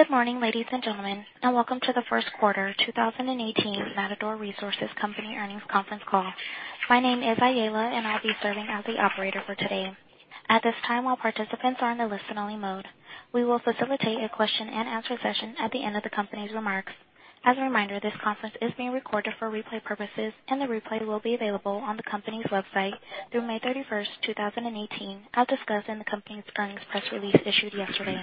Good morning, ladies and gentlemen, welcome to the first quarter 2018 Matador Resources Company earnings conference call. My name is Ayala, and I'll be serving as the operator for today. At this time, all participants are in the listen-only mode. We will facilitate a question and answer session at the end of the company's remarks. As a reminder, this conference is being recorded for replay purposes, the replay will be available on the company's website through May 31st, 2018, as discussed in the company's earnings press release issued yesterday.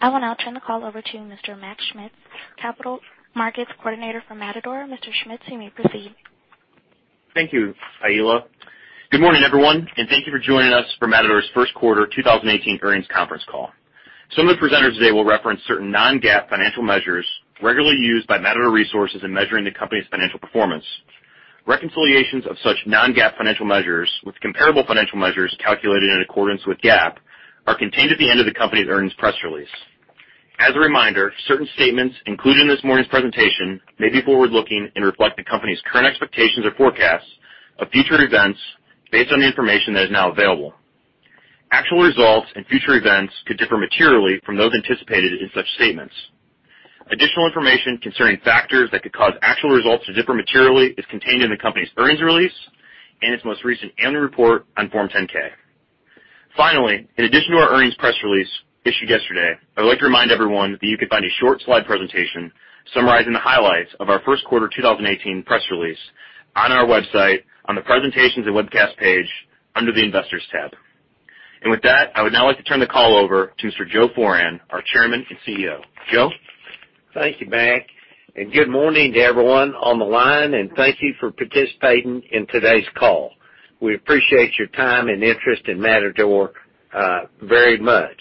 I will now turn the call over to Mr. Mac Schmitz, Capital Markets Coordinator for Matador. Mr. Schmitz, you may proceed. Thank you, Ayala. Good morning, everyone, thank you for joining us for Matador's first quarter 2018 earnings conference call. Some of the presenters today will reference certain non-GAAP financial measures regularly used by Matador Resources in measuring the company's financial performance. Reconciliations of such non-GAAP financial measures with comparable financial measures calculated in accordance with GAAP are contained at the end of the company's earnings press release. As a reminder, certain statements included in this morning's presentation may be forward-looking and reflect the company's current expectations or forecasts of future events based on the information that is now available. Actual results and future events could differ materially from those anticipated in such statements. Additional information concerning factors that could cause actual results to differ materially is contained in the company's earnings release and its most recent annual report on Form 10-K. Finally, in addition to our earnings press release issued yesterday, I would like to remind everyone that you can find a short slide presentation summarizing the highlights of our first quarter 2018 press release on our website on the presentations and webcasts page under the investors tab. With that, I would now like to turn the call over to Mr. Joe Foran, our Chairman and CEO. Joe? Thank you, Mac, good morning to everyone on the line, thank you for participating in today's call. We appreciate your time and interest in Matador very much.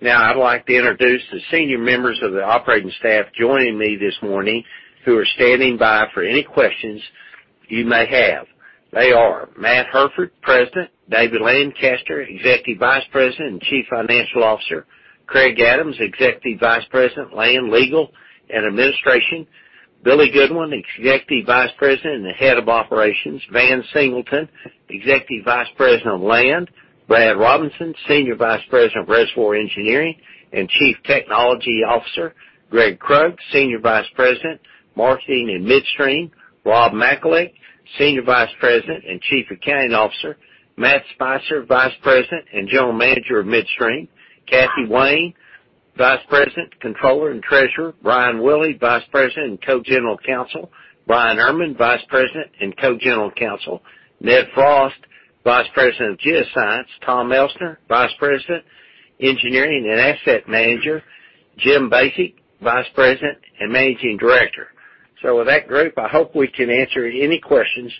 Now, I'd like to introduce the senior members of the operating staff joining me this morning who are standing by for any questions you may have. They are Matt Hairford, President, David Lancaster, Executive Vice President and Chief Financial Officer, Craig Adams, Executive Vice President, Land, Legal, and Administration, Billy Goodwin, Executive Vice President and the Head of Operations, Van Singleton, Executive Vice President of Land, Brad Robinson, Senior Vice President of Reservoir Engineering and Chief Technology Officer, Greg Krug, Senior Vice President, Marketing and Midstream, Rob McElwee, Senior Vice President and Chief Accounting Officer, Matt Spicer, Vice President and General Manager of Midstream, Cathy Wayne, Vice President, Controller, and Treasurer, Brian Willey, Vice President and Co-General Counsel, Brian Erman, Vice President and Co-General Counsel, Ned Frost, Vice President of Geoscience, Tom Elsner, Vice President, Engineering and Asset Manager, Jim Bacik, Vice President and Managing Director. With that group, I hope we can answer any questions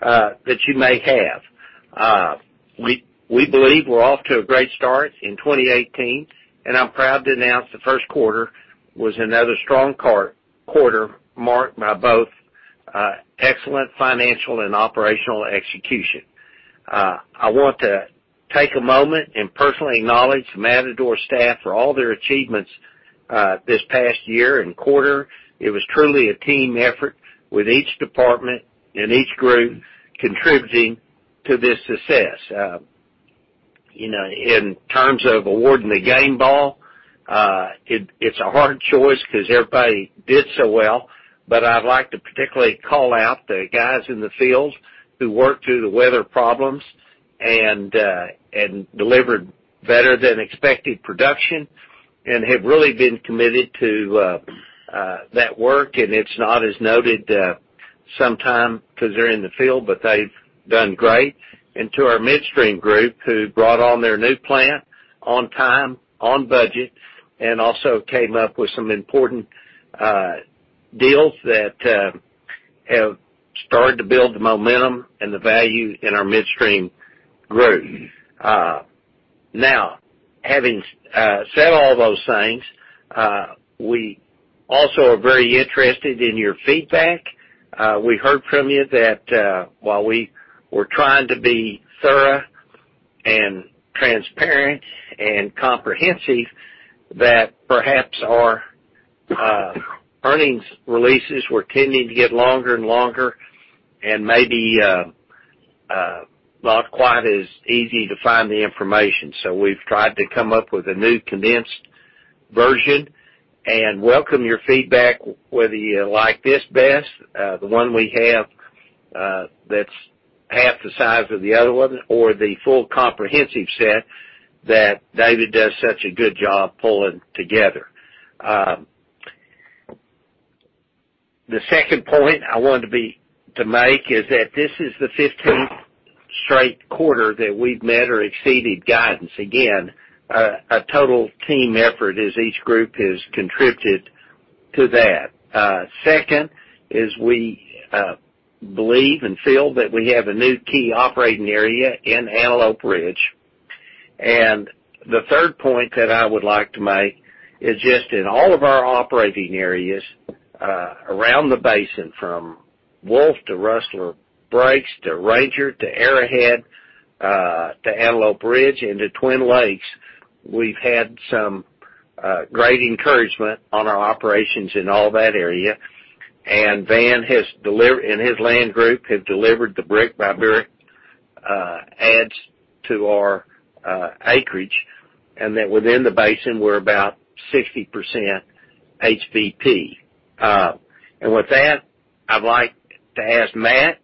that you may have. We believe we're off to a great start in 2018. I'm proud to announce the first quarter was another strong quarter marked by both excellent financial and operational execution. I want to take a moment and personally acknowledge the Matador staff for all their achievements this past year and quarter. It was truly a team effort with each department and each group contributing to this success. In terms of awarding the game ball, it's a hard choice because everybody did so well, but I'd like to particularly call out the guys in the field who worked through the weather problems and delivered better than expected production and have really been committed to that work. It's not as noted sometimes because they're in the field, but they've done great. To our midstream group, who brought on their new plant on time, on budget, and also came up with some important deals that have started to build the momentum and the value in our midstream group. Having said all those things, we also are very interested in your feedback. We heard from you that while we were trying to be thorough and transparent and comprehensive, that perhaps our earnings releases were tending to get longer and longer and maybe not quite as easy to find the information. We've tried to come up with a new condensed version and welcome your feedback, whether you like this best, the one we have that's half the size of the other one, or the full comprehensive set that David does such a good job pulling together. The second point I wanted to make is that this is the 15th straight quarter that we've met or exceeded guidance. Again, a total team effort as each group has contributed to that. Second is we believe and feel that we have a new key operating area in Antelope Ridge. The third point that I would like to make is just in all of our operating areas around the basin, from Wolfcamp to Rustler Breaks to Ranger to Arrowhead to Antelope Ridge into Twin Lakes, we've had some great encouragement on our operations in all that area. Van and his land group have delivered the brick by brick adds to our acreage, and that within the basin, we're about 60% HBP. I'd like to ask Matt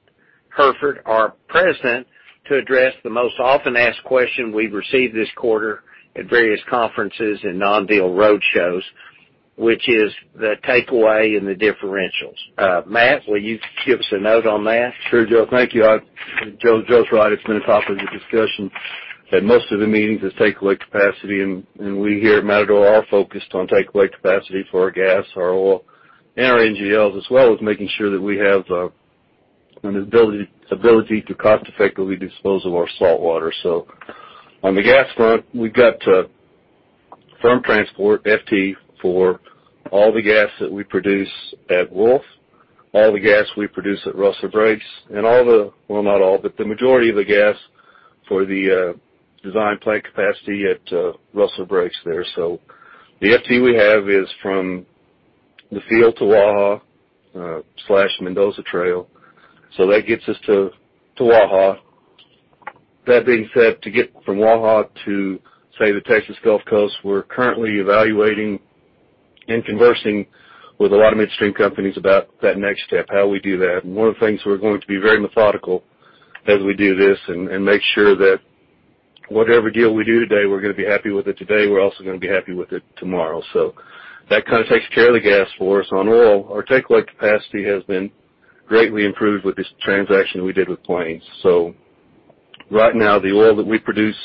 Hairford, our President, to address the most often asked question we've received this quarter at various conferences and non-deal roadshows, which is the takeaway and the differentials. Matt, will you give us a note on that? Sure, Joe. Thank you. Joe's right. It's been a topic of discussion at most of the meetings, this takeaway capacity, we here at Matador are focused on takeaway capacity for our gas, our oil, and our NGLs, as well as making sure that we have an ability to cost-effectively dispose of our saltwater. On the gas front, we've got firm transport, FT, for all the gas that we produce at Wolfcamp, all the gas we produce at Rustler Breaks, not all, but the majority of the gas for the design plant capacity at Rustler Breaks there. The FT we have is from the field to Waha/Mendoza Trail. That gets us to Waha. That being said, to get from Waha to, say, the Texas Gulf Coast, we're currently evaluating and conversing with a lot of midstream companies about that next step, how we do that. One of the things, we're going to be very methodical as we do this and make sure that whatever deal we do today, we're going to be happy with it today, we're also going to be happy with it tomorrow. That takes care of the gas for us. On oil, our takeaway capacity has been greatly improved with this transaction we did with Plains. Right now, the oil that we produce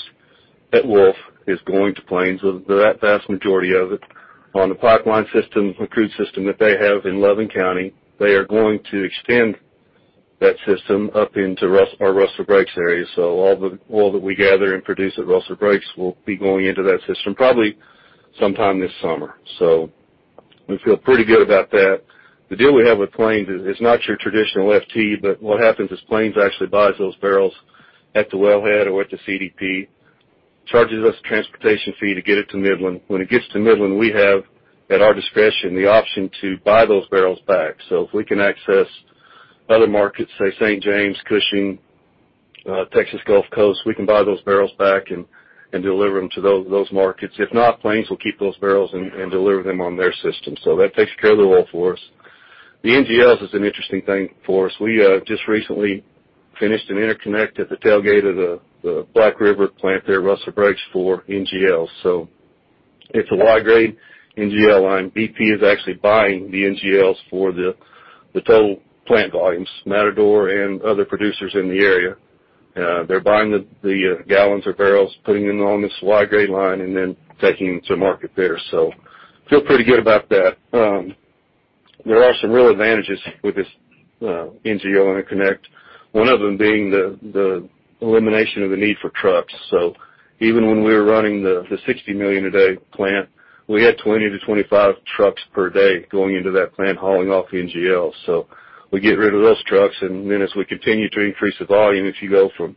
at Wolfcamp is going to Plains, the vast majority of it, on the pipeline system, the crude system that they have in Loving County. They are going to extend that system up into our Rustler Breaks area. All the oil that we gather and produce at Rustler Breaks will be going into that system probably sometime this summer. We feel pretty good about that. The deal we have with Plains is not your traditional FT, but what happens is Plains actually buys those barrels at the wellhead or at the CDP, charges us a transportation fee to get it to Midland. When it gets to Midland, we have at our discretion, the option to buy those barrels back. If we can access other markets, say St. James, Cushing, Texas Gulf Coast, we can buy those barrels back and deliver them to those markets. If not, Plains will keep those barrels and deliver them on their system. That takes care of the oil for us. The NGLs is an interesting thing for us. We just recently finished an interconnect at the tailgate of the Black River plant there at Rustler Breaks for NGL. It's a Y-grade NGL line. BP is actually buying the NGLs for the total plant volumes, Matador and other producers in the area. They're buying the gallons or barrels, putting them on this Y-grade line, and then taking them to market there. Feel pretty good about that. There are some real advantages with this NGL interconnect, one of them being the elimination of the need for trucks. Even when we were running the 60 million a day plant, we had 20 to 25 trucks per day going into that plant hauling off NGL. We get rid of those trucks, as we continue to increase the volume, if you go from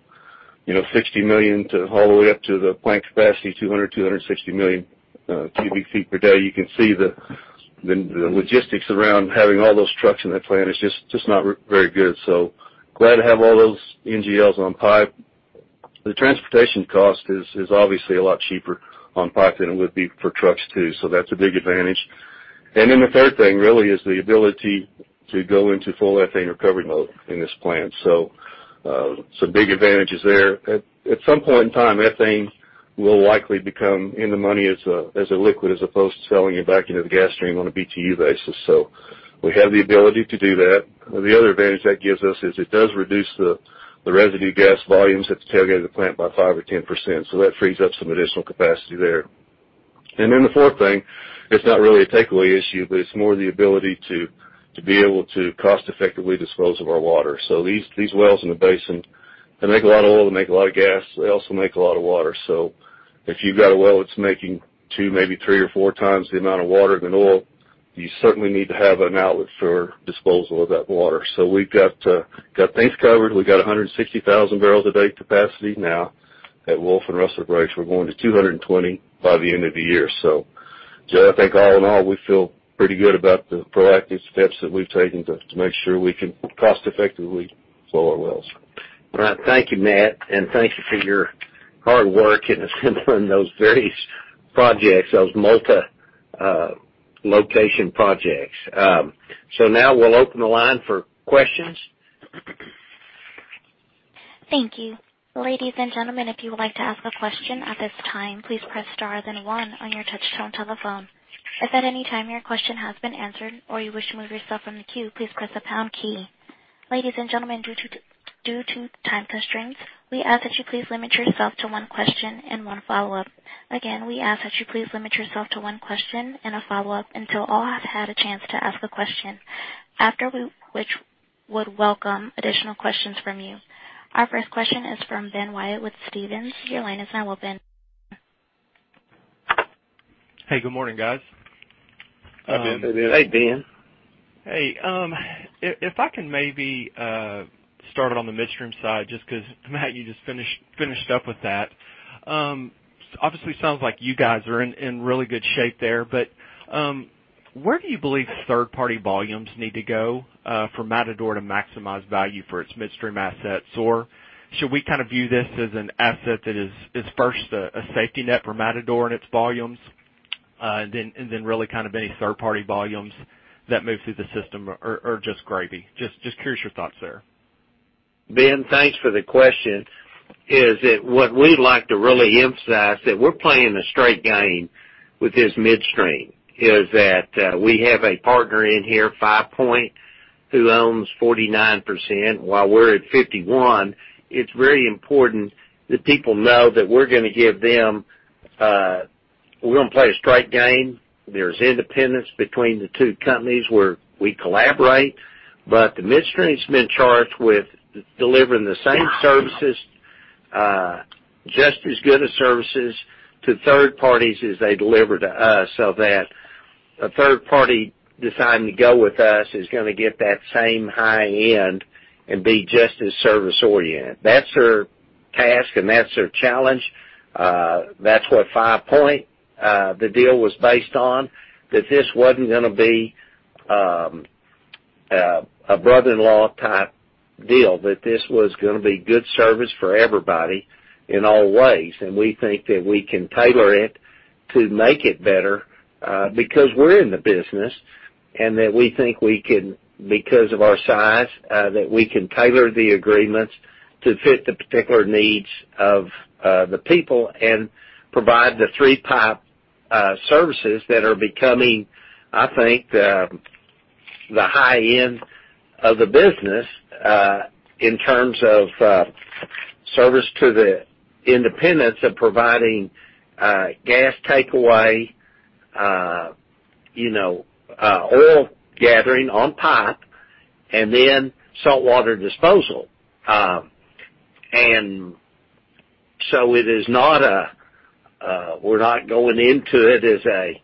60 million all the way up to the plant capacity, 200, 260 million cubic feet per day, you can see the logistics around having all those trucks in that plant is just not very good. Glad to have all those NGLs on pipe. The transportation cost is obviously a lot cheaper on pipe than it would be for trucks too, that's a big advantage. The third thing really is the ability to go into full ethane recovery mode in this plant. Some big advantages there. At some point in time, ethane will likely become in the money as a liquid, as opposed to selling it back into the gas stream on a BTU basis, we have the ability to do that. The other advantage that gives us is it does reduce the residue gas volumes at the tailgate of the plant by 5% or 10%, that frees up some additional capacity there. The fourth thing, it's not really a takeaway issue, but it's more the ability to be able to cost effectively dispose of our water. These wells in the basin, they make a lot of oil, they make a lot of gas, they also make a lot of water. If you've got a well that's making two, maybe three or four times the amount of water than oil, you certainly need to have an outlet for disposal of that water. We've got things covered. We've got 160,000 barrels a day capacity now at Wolfcamp and Rustler Breaks. We're going to 220 by the end of the year. Joe, I think all in all, we feel pretty good about the proactive steps that we've taken to make sure we can cost effectively flow our wells. Well, thank you, Matt, thank you for your hard work in assembling those various projects, those multi-location projects. Now we'll open the line for questions. Thank you. Ladies and gentlemen, if you would like to ask a question at this time, please press star then one on your touchtone telephone. If at any time your question has been answered or you wish to remove yourself from the queue, please press the pound key. Ladies and gentlemen, due to time constraints, we ask that you please limit yourself to one question and one follow-up. Again, we ask that you please limit yourself to one question and a follow-up until all have had a chance to ask a question. After which we'd welcome additional questions from you. Our first question is from Ben Wyatt with Stephens. Your line is now open, Ben. Hey, good morning, guys. Hey, Ben. Hey, Ben. Hey, Ben. Hey. If I can maybe start on the midstream side, just because, Matt, you just finished up with that. Obviously sounds like you guys are in really good shape there. Where do you believe third-party volumes need to go for Matador to maximize value for its midstream assets? Or should we view this as an asset that is first a safety net for Matador and its volumes, and then really any third-party volumes that move through the system are just gravy. Just curious your thoughts there. Ben, thanks for the question. What we'd like to really emphasize, that we're playing a straight game with this midstream, is that we have a partner in here, Five Point, who owns 49%, while we're at 51. It's very important that people know that we're gonna play a straight game. There's independence between the two companies where we collaborate. The midstream's been charged with delivering the same services, just as good as services to third parties as they deliver to us, so that a third party deciding to go with us is gonna get that same high end and be just as service-oriented. That's their task, and that's their challenge. That's what Five Point, the deal was based on, that this wasn't gonna be a brother-in-law type deal, that this was gonna be good service for everybody in all ways. We think that we can tailor it to make it better because we're in the business, and that we think we can, because of our size, that we can tailor the agreements to fit the particular needs of the people, and provide the three-pipe services that are becoming, I think, the high end of the business in terms of service to the independents of providing gas takeaway, oil gathering on pipe, and then saltwater disposal. We're not going into it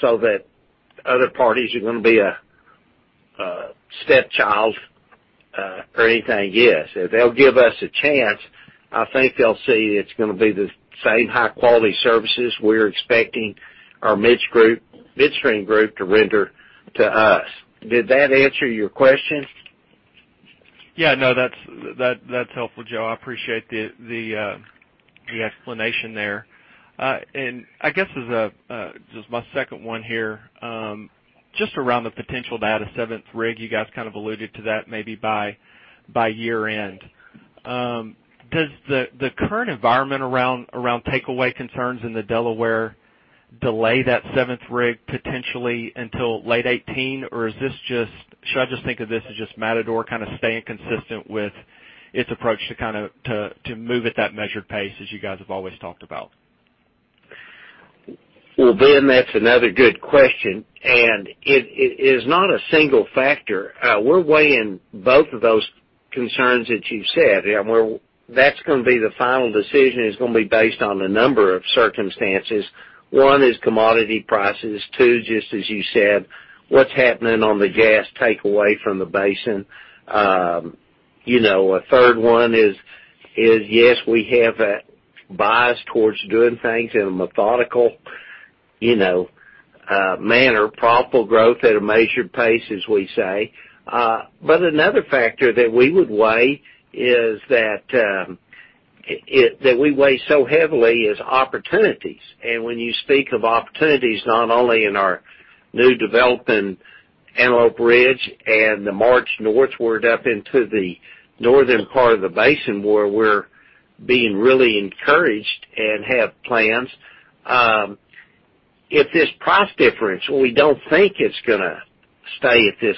so that other parties are gonna be a stepchild or anything. Yes, if they'll give us a chance, I think they'll see it's gonna be the same high-quality services we're expecting our midstream group to render to us. Did that answer your question? Yeah. No, that's helpful, Joe. I appreciate the explanation there. I guess as just my second one here, just around the potential to add a seventh rig, you guys kind of alluded to that maybe by year-end. Does the current environment around takeaway concerns in the Delaware Basin delay that seventh rig potentially until late 2018, or should I just think of this as just Matador staying consistent with its approach to move at that measured pace as you guys have always talked about? Well, Ben, that's another good question. It is not a single factor. We're weighing both of those concerns that you've said, and that's gonna be the final decision is gonna be based on a number of circumstances. One is commodity prices. Two, just as you said, what's happening on the gas takeaway from the basin. A third one is, yes, we have a bias towards doing things in a methodical manner, profitable growth at a measured pace, as we say. Another factor that we would weigh so heavily is opportunities. When you speak of opportunities, not only in our new development, Antelope Ridge, and the march northward up into the northern part of the basin where we're being really encouraged and have plans. If this price difference, we don't think it's gonna stay at this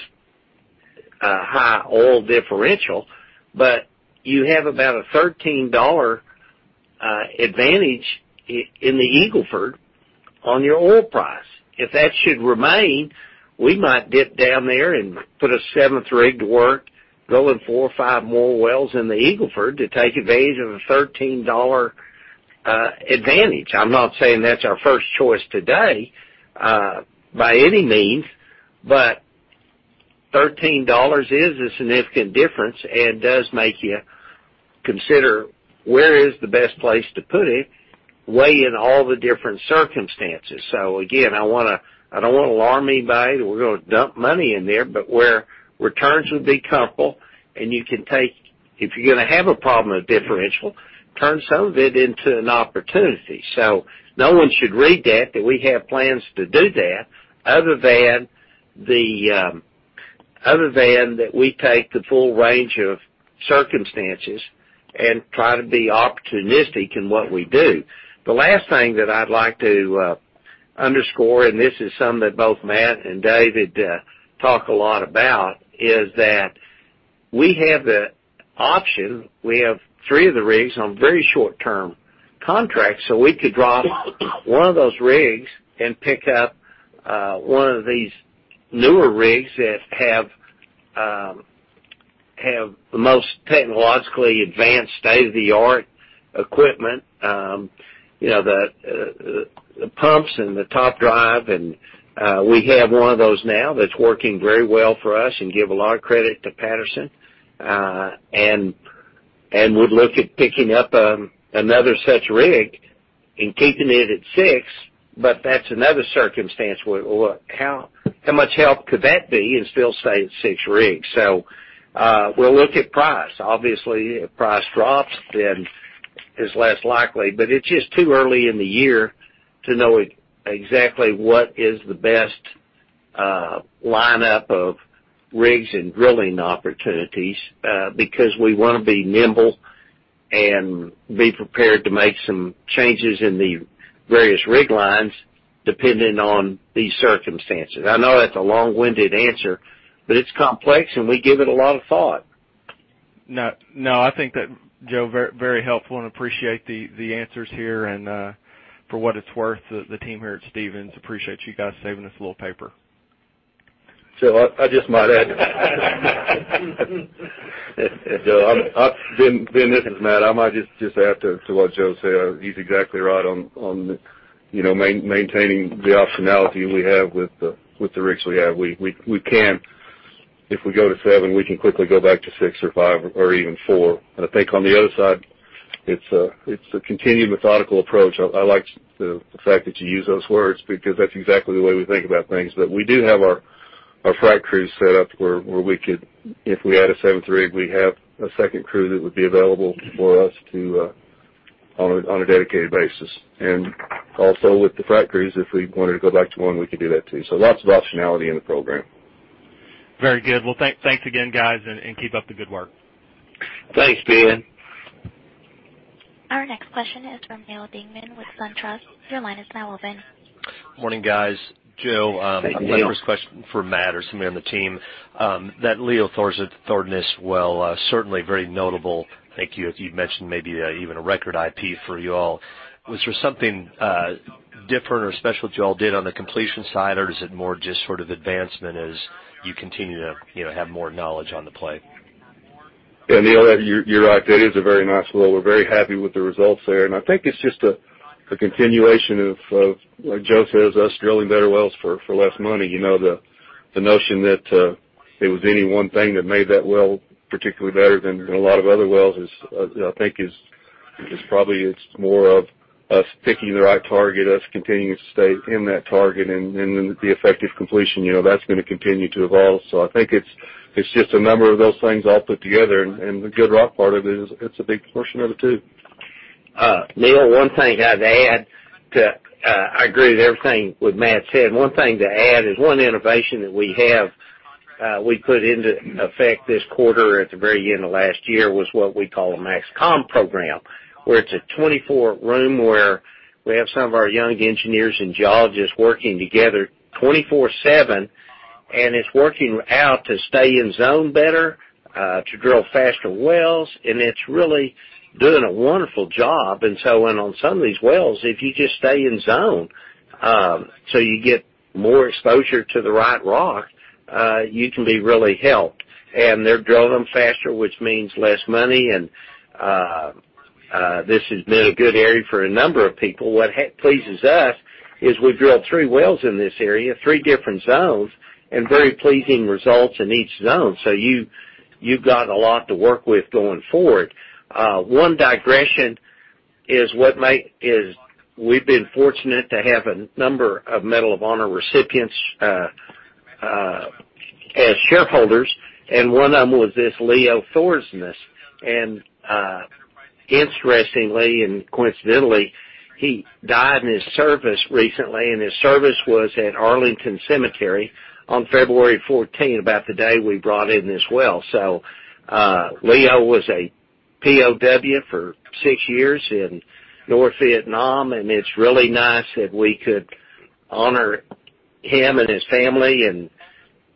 high oil differential, but you have about a $13 advantage in the Eagle Ford on your oil price. If that should remain, we might dip down there and put a seventh rig to work, drill in four or five more wells in the Eagle Ford to take advantage of a $13 advantage. I'm not saying that's our first choice today, by any means, but $13 is a significant difference and does make you consider where is the best place to put it, weighing all the different circumstances. Again, I don't want to alarm anybody that we're gonna dump money in there, but where returns would be comfortable, and if you're gonna have a problem with differential, turn some of it into an opportunity. No one should read that we have plans to do that other than that we take the full range of circumstances and try to be opportunistic in what we do. The last thing that I'd like to underscore, and this is something that both Matt and David talk a lot about, is that we have the option. We have three of the rigs on very short-term contracts, so we could drop one of those rigs and pick up one of these newer rigs that have the most technologically advanced state-of-the-art equipment, the pumps and the top drive, and we have one of those now that's working very well for us and give a lot of credit to Patterson-UTI. Would look at picking up another such rig and keeping it at six, but that's another circumstance. How much help could that be and still stay at six rigs? We'll look at price. Obviously, if price drops, then it's less likely. It's just too early in the year to know exactly what is the best lineup of rigs and drilling opportunities, because we want to be nimble and be prepared to make some changes in the various rig lines, depending on the circumstances. I know that's a long-winded answer, but it's complex, and we give it a lot of thought. No, I think that, Joe, very helpful, and appreciate the answers here and for what it's worth, the team here at Stephens appreciate you guys saving us a little paper. Joe, I just might add. Joe, Ben, this is Matt. I might just add to what Joe said. He's exactly right on maintaining the optionality we have with the rigs we have. If we go to seven, we can quickly go back to six or five or even four. I think on the other side, it's a continued methodical approach. I like the fact that you use those words because that's exactly the way we think about things. We do have our frac crews set up where if we add a seventh rig, we have a second crew that would be available for us on a dedicated basis. Also, with the frac crews, if we wanted to go back to one, we could do that too. Lots of optionality in the program. Very good. Thanks again, guys, and keep up the good work. Thanks, Ben. Our next question is from Neal Dingmann with SunTrust. Your line is now open. Morning, guys. Joe. Hey, Neal. My first question is for Matt or somebody on the team. That Leo Thorsness well, certainly very notable. I think you mentioned maybe even a record IP for you all. Was there something different or special that you all did on the completion side, or is it more just sort of advancement as you continue to have more knowledge on the play? Yeah, Neal, you're right. That is a very nice well. We're very happy with the results there. I think it's just a continuation of, like Joe says, us drilling better wells for less money. The notion that it was any one thing that made that well particularly better than a lot of other wells is, I think, it's probably more of us picking the right target, us continuing to stay in that target, and then the effective completion. That's going to continue to evolve. I think it's just a number of those things all put together, and the good rock part of it is a big portion of it, too. Neal, I agree with everything Matt said. One thing to add is one innovation that we have, we put into effect this quarter at the very end of last year, was what we call a MAXCOM program, where it's a 24 room where we have some of our young engineers and geologists working together 24/7, and it's working out to stay in zone better, to drill faster wells, and it's really doing a wonderful job. On some of these wells, if you just stay in zone, so you get more exposure to the right rock, you can be really helped. They're drilling them faster, which means less money, and this has been a good area for a number of people. What pleases us is we drilled three wells in this area, three different zones, very pleasing results in each zone. You've got a lot to work with going forward. One digression is we've been fortunate to have a number of Medal of Honor recipients as shareholders, and one of them was this Leo Thorsness. Interestingly and coincidentally, he died in his service recently, and his service was at Arlington Cemetery on February 14, about the day we brought in this well. Leo was a POW for six years in North Vietnam, it's really nice that we could honor him and his family and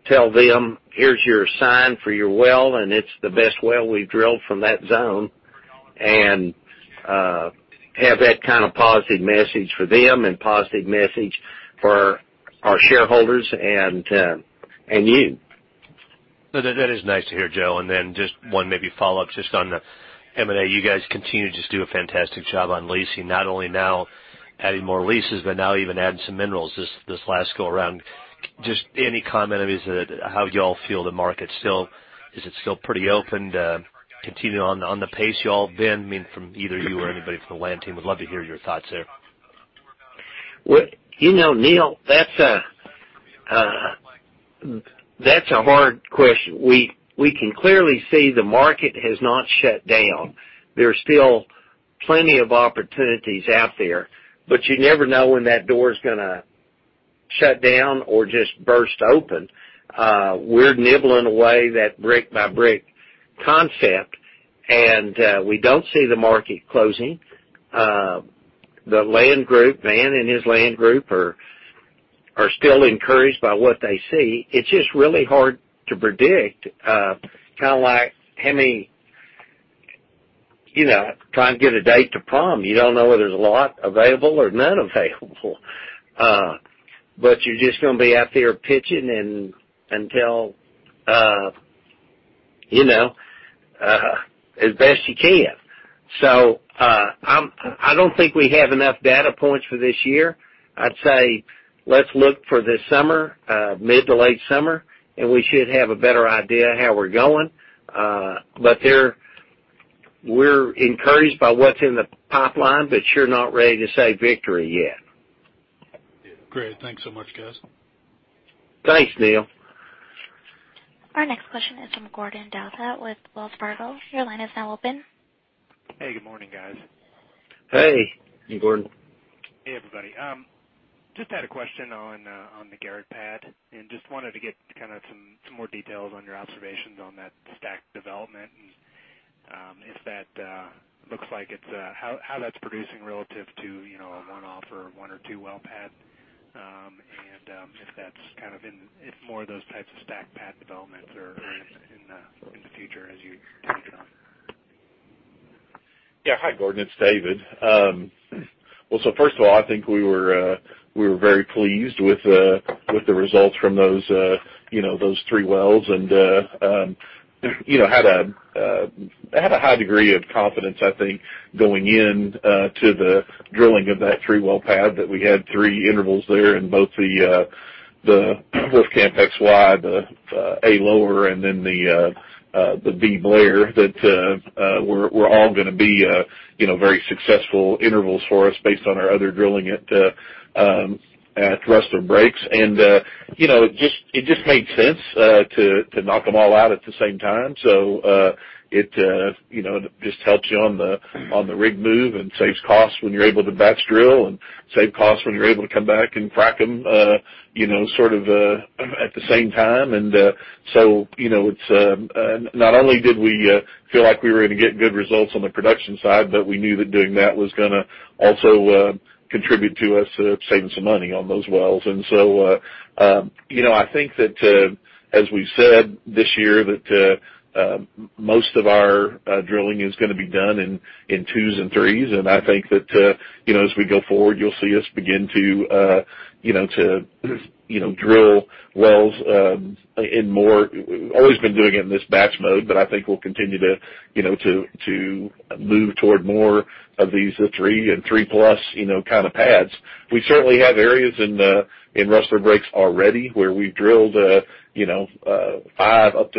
tell them, "Here's your sign for your well," it's the best well we've drilled from that zone, have that kind of positive message for them and positive message for our shareholders and you. That is nice to hear, Joe. Just one maybe follow-up just on the M&A. You guys continue to just do a fantastic job on leasing, not only now adding more leases, now even adding some minerals this last go around. Just any comment of how you all feel the market still. Is it still pretty open, continuing on the pace you all have been? From either you or anybody from the land team, would love to hear your thoughts there. Neal, that's a hard question. We can clearly see the market has not shut down. There's still plenty of opportunities out there, you never know when that door's going to shut down or just burst open. We're nibbling away that brick by brick concept, we don't see the market closing. Van and his land group are still encouraged by what they see. It's just really hard to predict, like trying to get a date to prom. You don't know whether there's a lot available or none available. You're just going to be out there pitching as best you can. I don't think we have enough data points for this year. I'd say let's look for this summer, mid to late summer, we should have a better idea how we're going. We're encouraged by what's in the pipeline, but sure not ready to say victory yet. Great. Thanks so much, guys. Thanks, Neal. Our next question is from Gordon Douthat with Wells Fargo. Your line is now open. Hey, good morning, guys. Hey. Hey, Gordon. Hey, everybody. Just had a question on the Garrett pad. Just wanted to get some more details on your observations on that stack development. If that looks like it's How that's producing relative to a one-off or one or two-well pad. If more of those types of stack pad developments are in the future as you think of. Yeah. Hi, Gordon, it's David. First of all, I think we were very pleased with the results from those three wells. Had a high degree of confidence, I think, going in to the drilling of that three-well pad, that we had three intervals there in both the Wolfcamp XY, the A Lower, and then the B Blair, that were all gonna be very successful intervals for us based on our other drilling at Rustler Breaks. It just made sense to knock them all out at the same time. It just helps you on the rig move and saves costs when you're able to batch drill, and save costs when you're able to come back and frack them sort of at the same time. Not only did we feel like we were going to get good results on the production side, but we knew that doing that was going to also contribute to us saving some money on those wells. I think that, as we've said this year, that most of our drilling is going to be done in twos and threes. I think that, as we go forward, we've always been doing it in this batch mode, but I think we'll continue to move toward more of these three and three-plus, kind of pads. We certainly have areas in Rustler Breaks already, where we've drilled up to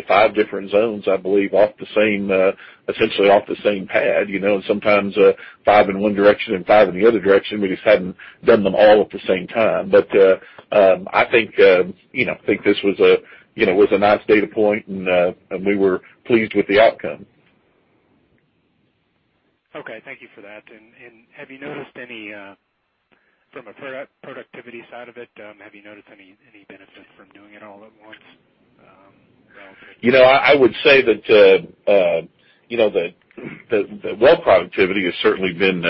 five different zones, I believe, essentially off the same pad. Sometimes five in one direction and five in the other direction. We just haven't done them all at the same time. I think this was a nice data point, and we were pleased with the outcome. Okay. Thank you for that. From a productivity side of it, have you noticed any benefit from doing it all at once relative- I would say that the well productivity has certainly been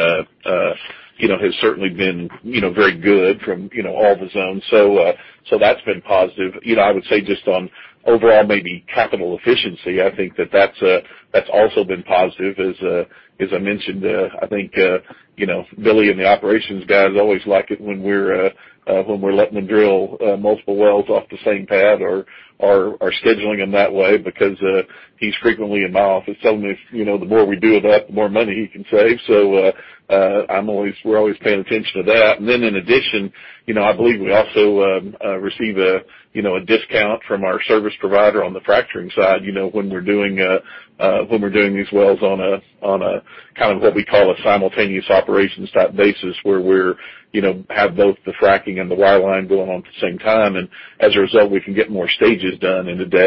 very good from all the zones. That's been positive. I would say just on overall maybe capital efficiency, I think that that's also been positive. As I mentioned, I think Billy and the operations guys always like it when we're letting them drill multiple wells off the same pad or are scheduling them that way. He's frequently in my office telling me the more we do of that, the more money he can save. We're always paying attention to that. In addition, I believe we also receive a discount from our service provider on the fracturing side when we're doing these wells on a kind of what we call a simultaneous operations type basis, where we have both the fracking and the wireline going on at the same time. As a result, we can get more stages done in a day.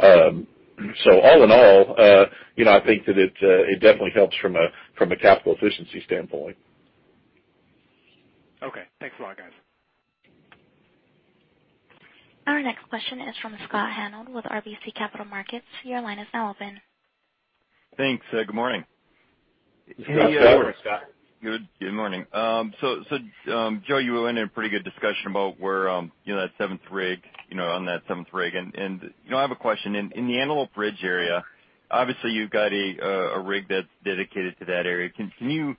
All in all, I think that it definitely helps from a capital efficiency standpoint. Okay. Thanks a lot, guys. Our next question is from Scott Hanold with RBC Capital Markets. Your line is now open. Thanks. Good morning. Hey, Scott. How are you, Scott? Good. Good morning. Joe, you were in a pretty good discussion about that seventh rig. I have a question. In the Antelope Ridge area, obviously you've got a rig that's dedicated to that area. Can you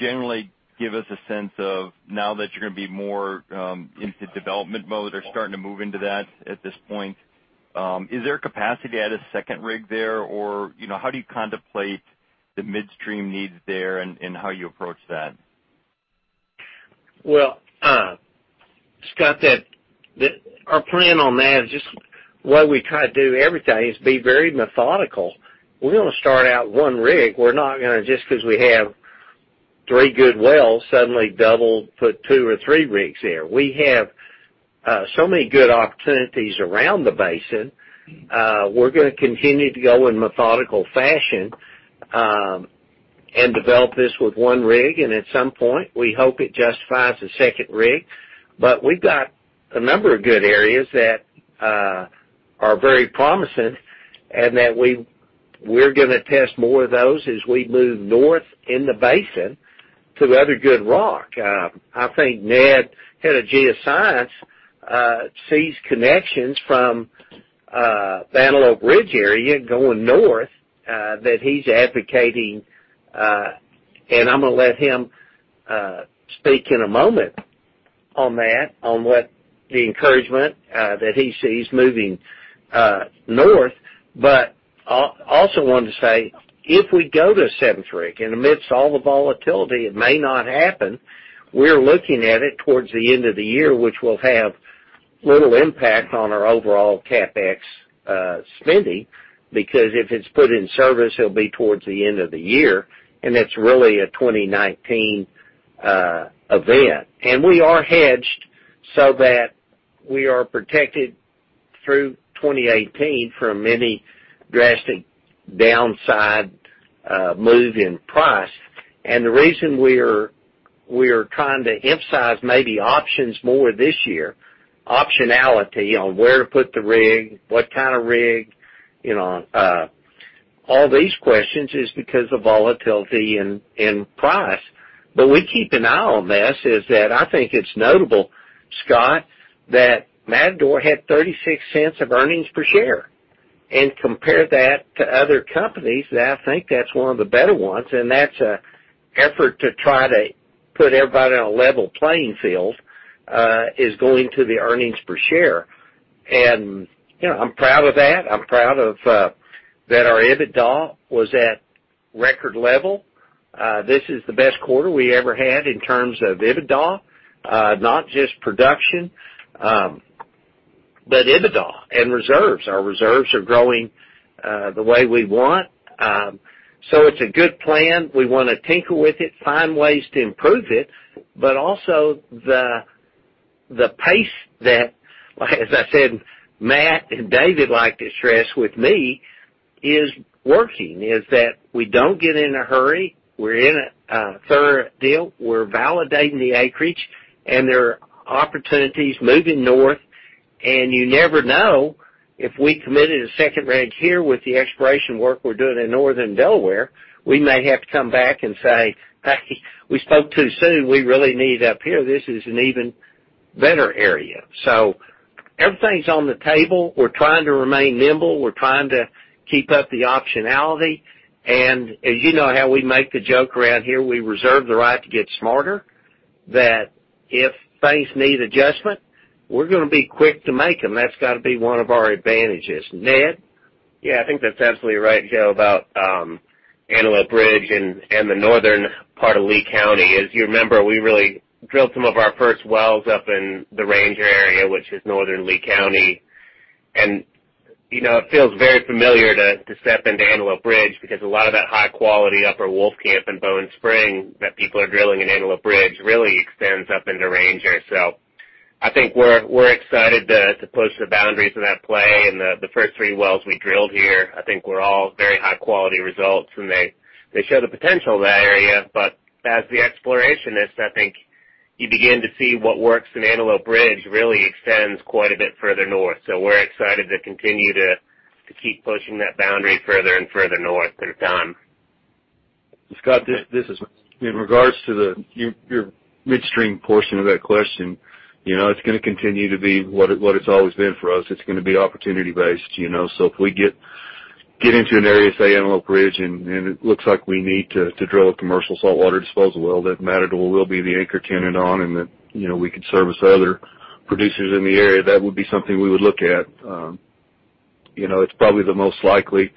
generally give us a sense of now that you're going to be more into development mode or starting to move into that at this point, is there capacity to add a second rig there? How do you contemplate the midstream needs there and how you approach that? Scott, our plan on that is just the way we try to do everything is be very methodical. We're going to start out one rig. We're not going to just because we have three good wells, suddenly double, put two or three rigs there. We have so many good opportunities around the basin. We're going to continue to go in methodical fashion, and develop this with one rig, and at some point, we hope it justifies a second rig. We've got a number of good areas that are very promising and that we're going to test more of those as we move north in the basin to other good rock. I think Ned, head of geoscience, sees connections from the Antelope Ridge area going north, that he's advocating, and I'm going to let him speak in a moment on what the encouragement that he sees moving north. Also wanted to say, if we go to a seventh rig, amidst all the volatility, it may not happen. We're looking at it towards the end of the year, which will have little impact on our overall CapEx spending, because if it's put in service, it'll be towards the end of the year, and that's really a 2019 event. We are hedged so that we are protected through 2018 from any drastic downside move in price. The reason we are trying to emphasize maybe options more this year, optionality on where to put the rig, what kind of rig, all these questions, is because of volatility in price. We keep an eye on this, is that I think it's notable, Scott, that Matador had $0.36 of earnings per share. Compare that to other companies, that I think that's one of the better ones, and that's a effort to try to put everybody on a level playing field, is going to the earnings per share. I'm proud of that. I'm proud of that our EBITDA was at record level. This is the best quarter we ever had in terms of EBITDA, not just production, but EBITDA and reserves. Our reserves are growing the way we want. It's a good plan. We want to tinker with it, find ways to improve it, but also the pace that, as I said, Matt and David like to stress with me, is working, is that we don't get in a hurry. We're in a thorough deal. We're validating the acreage, and there are opportunities moving north. You never know if we committed a second rig here with the exploration work we're doing in northern Delaware, we may have to come back and say, "Hey, we spoke too soon. We really need up here. This is an even better area." Everything's on the table. We're trying to remain nimble. We're trying to keep up the optionality. As you know how we make the joke around here, we reserve the right to get smarter, that if things need adjustment, we're gonna be quick to make them. That's got to be one of our advantages. Ned? I think that's absolutely right, Joe, about Antelope Ridge and the northern part of Lea County. As you remember, we really drilled some of our first wells up in the Ranger area, which is northern Lea County. It feels very familiar to step into Antelope Ridge because a lot of that high quality Upper Wolfcamp and Bone Spring that people are drilling in Antelope Ridge really extends up into Ranger. I think we're excited to push the boundaries of that play, and the first three wells we drilled here, I think were all very high-quality results, and they show the potential of that area. As the explorationist, I think you begin to see what works in Antelope Ridge really extends quite a bit further north. We're excited to continue to keep pushing that boundary further and further north through time. Scott, in regards to your midstream portion of that question, it's gonna continue to be what it's always been for us. It's gonna be opportunity based. If we get into an area, say, Antelope Ridge, and it looks like we need to drill a commercial saltwater disposal well that Matador will be the anchor tenant on, and that we could service other producers in the area, that would be something we would look at. It's probably the most likely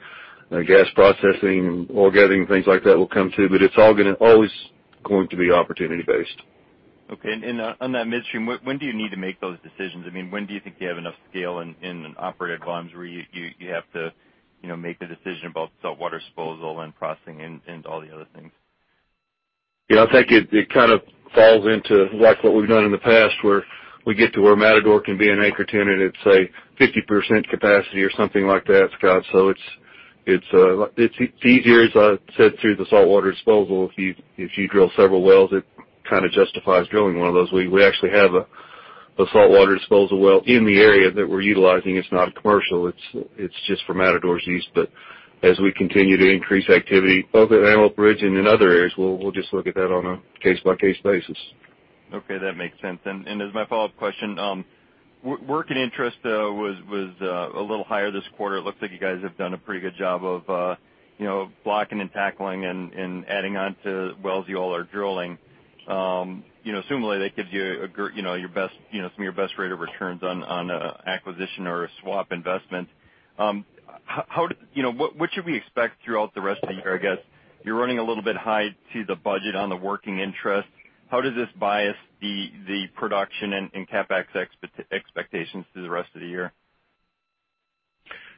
gas processing, oil getting, things like that will come too, but it's all gonna always going to be opportunity based. Okay. On that midstream, when do you need to make those decisions? When do you think you have enough scale and operative volumes where you have to make a decision about saltwater disposal and processing and all the other things? Yeah, I think it kind of falls into, like what we've done in the past, where we get to where Matador can be an anchor tenant. It's a 50% capacity or something like that, Scott. It's easier, as I said, through the saltwater disposal. If you drill several wells, it kind of justifies drilling one of those. We actually have a saltwater disposal well in the area that we're utilizing. It's not commercial. It's just for Matador's use. As we continue to increase activity both at Antelope Ridge and in other areas, we'll just look at that on a case-by-case basis. Okay, that makes sense. As my follow-up question, working interest was a little higher this quarter. It looks like you guys have done a pretty good job of blocking and tackling and adding on to wells you all are drilling. Assumably, that gives you some of your best rate of returns on acquisition or a swap investment. What should we expect throughout the rest of the year, I guess? You're running a little bit high to the budget on the working interest. How does this bias the production and CapEx expectations through the rest of the year?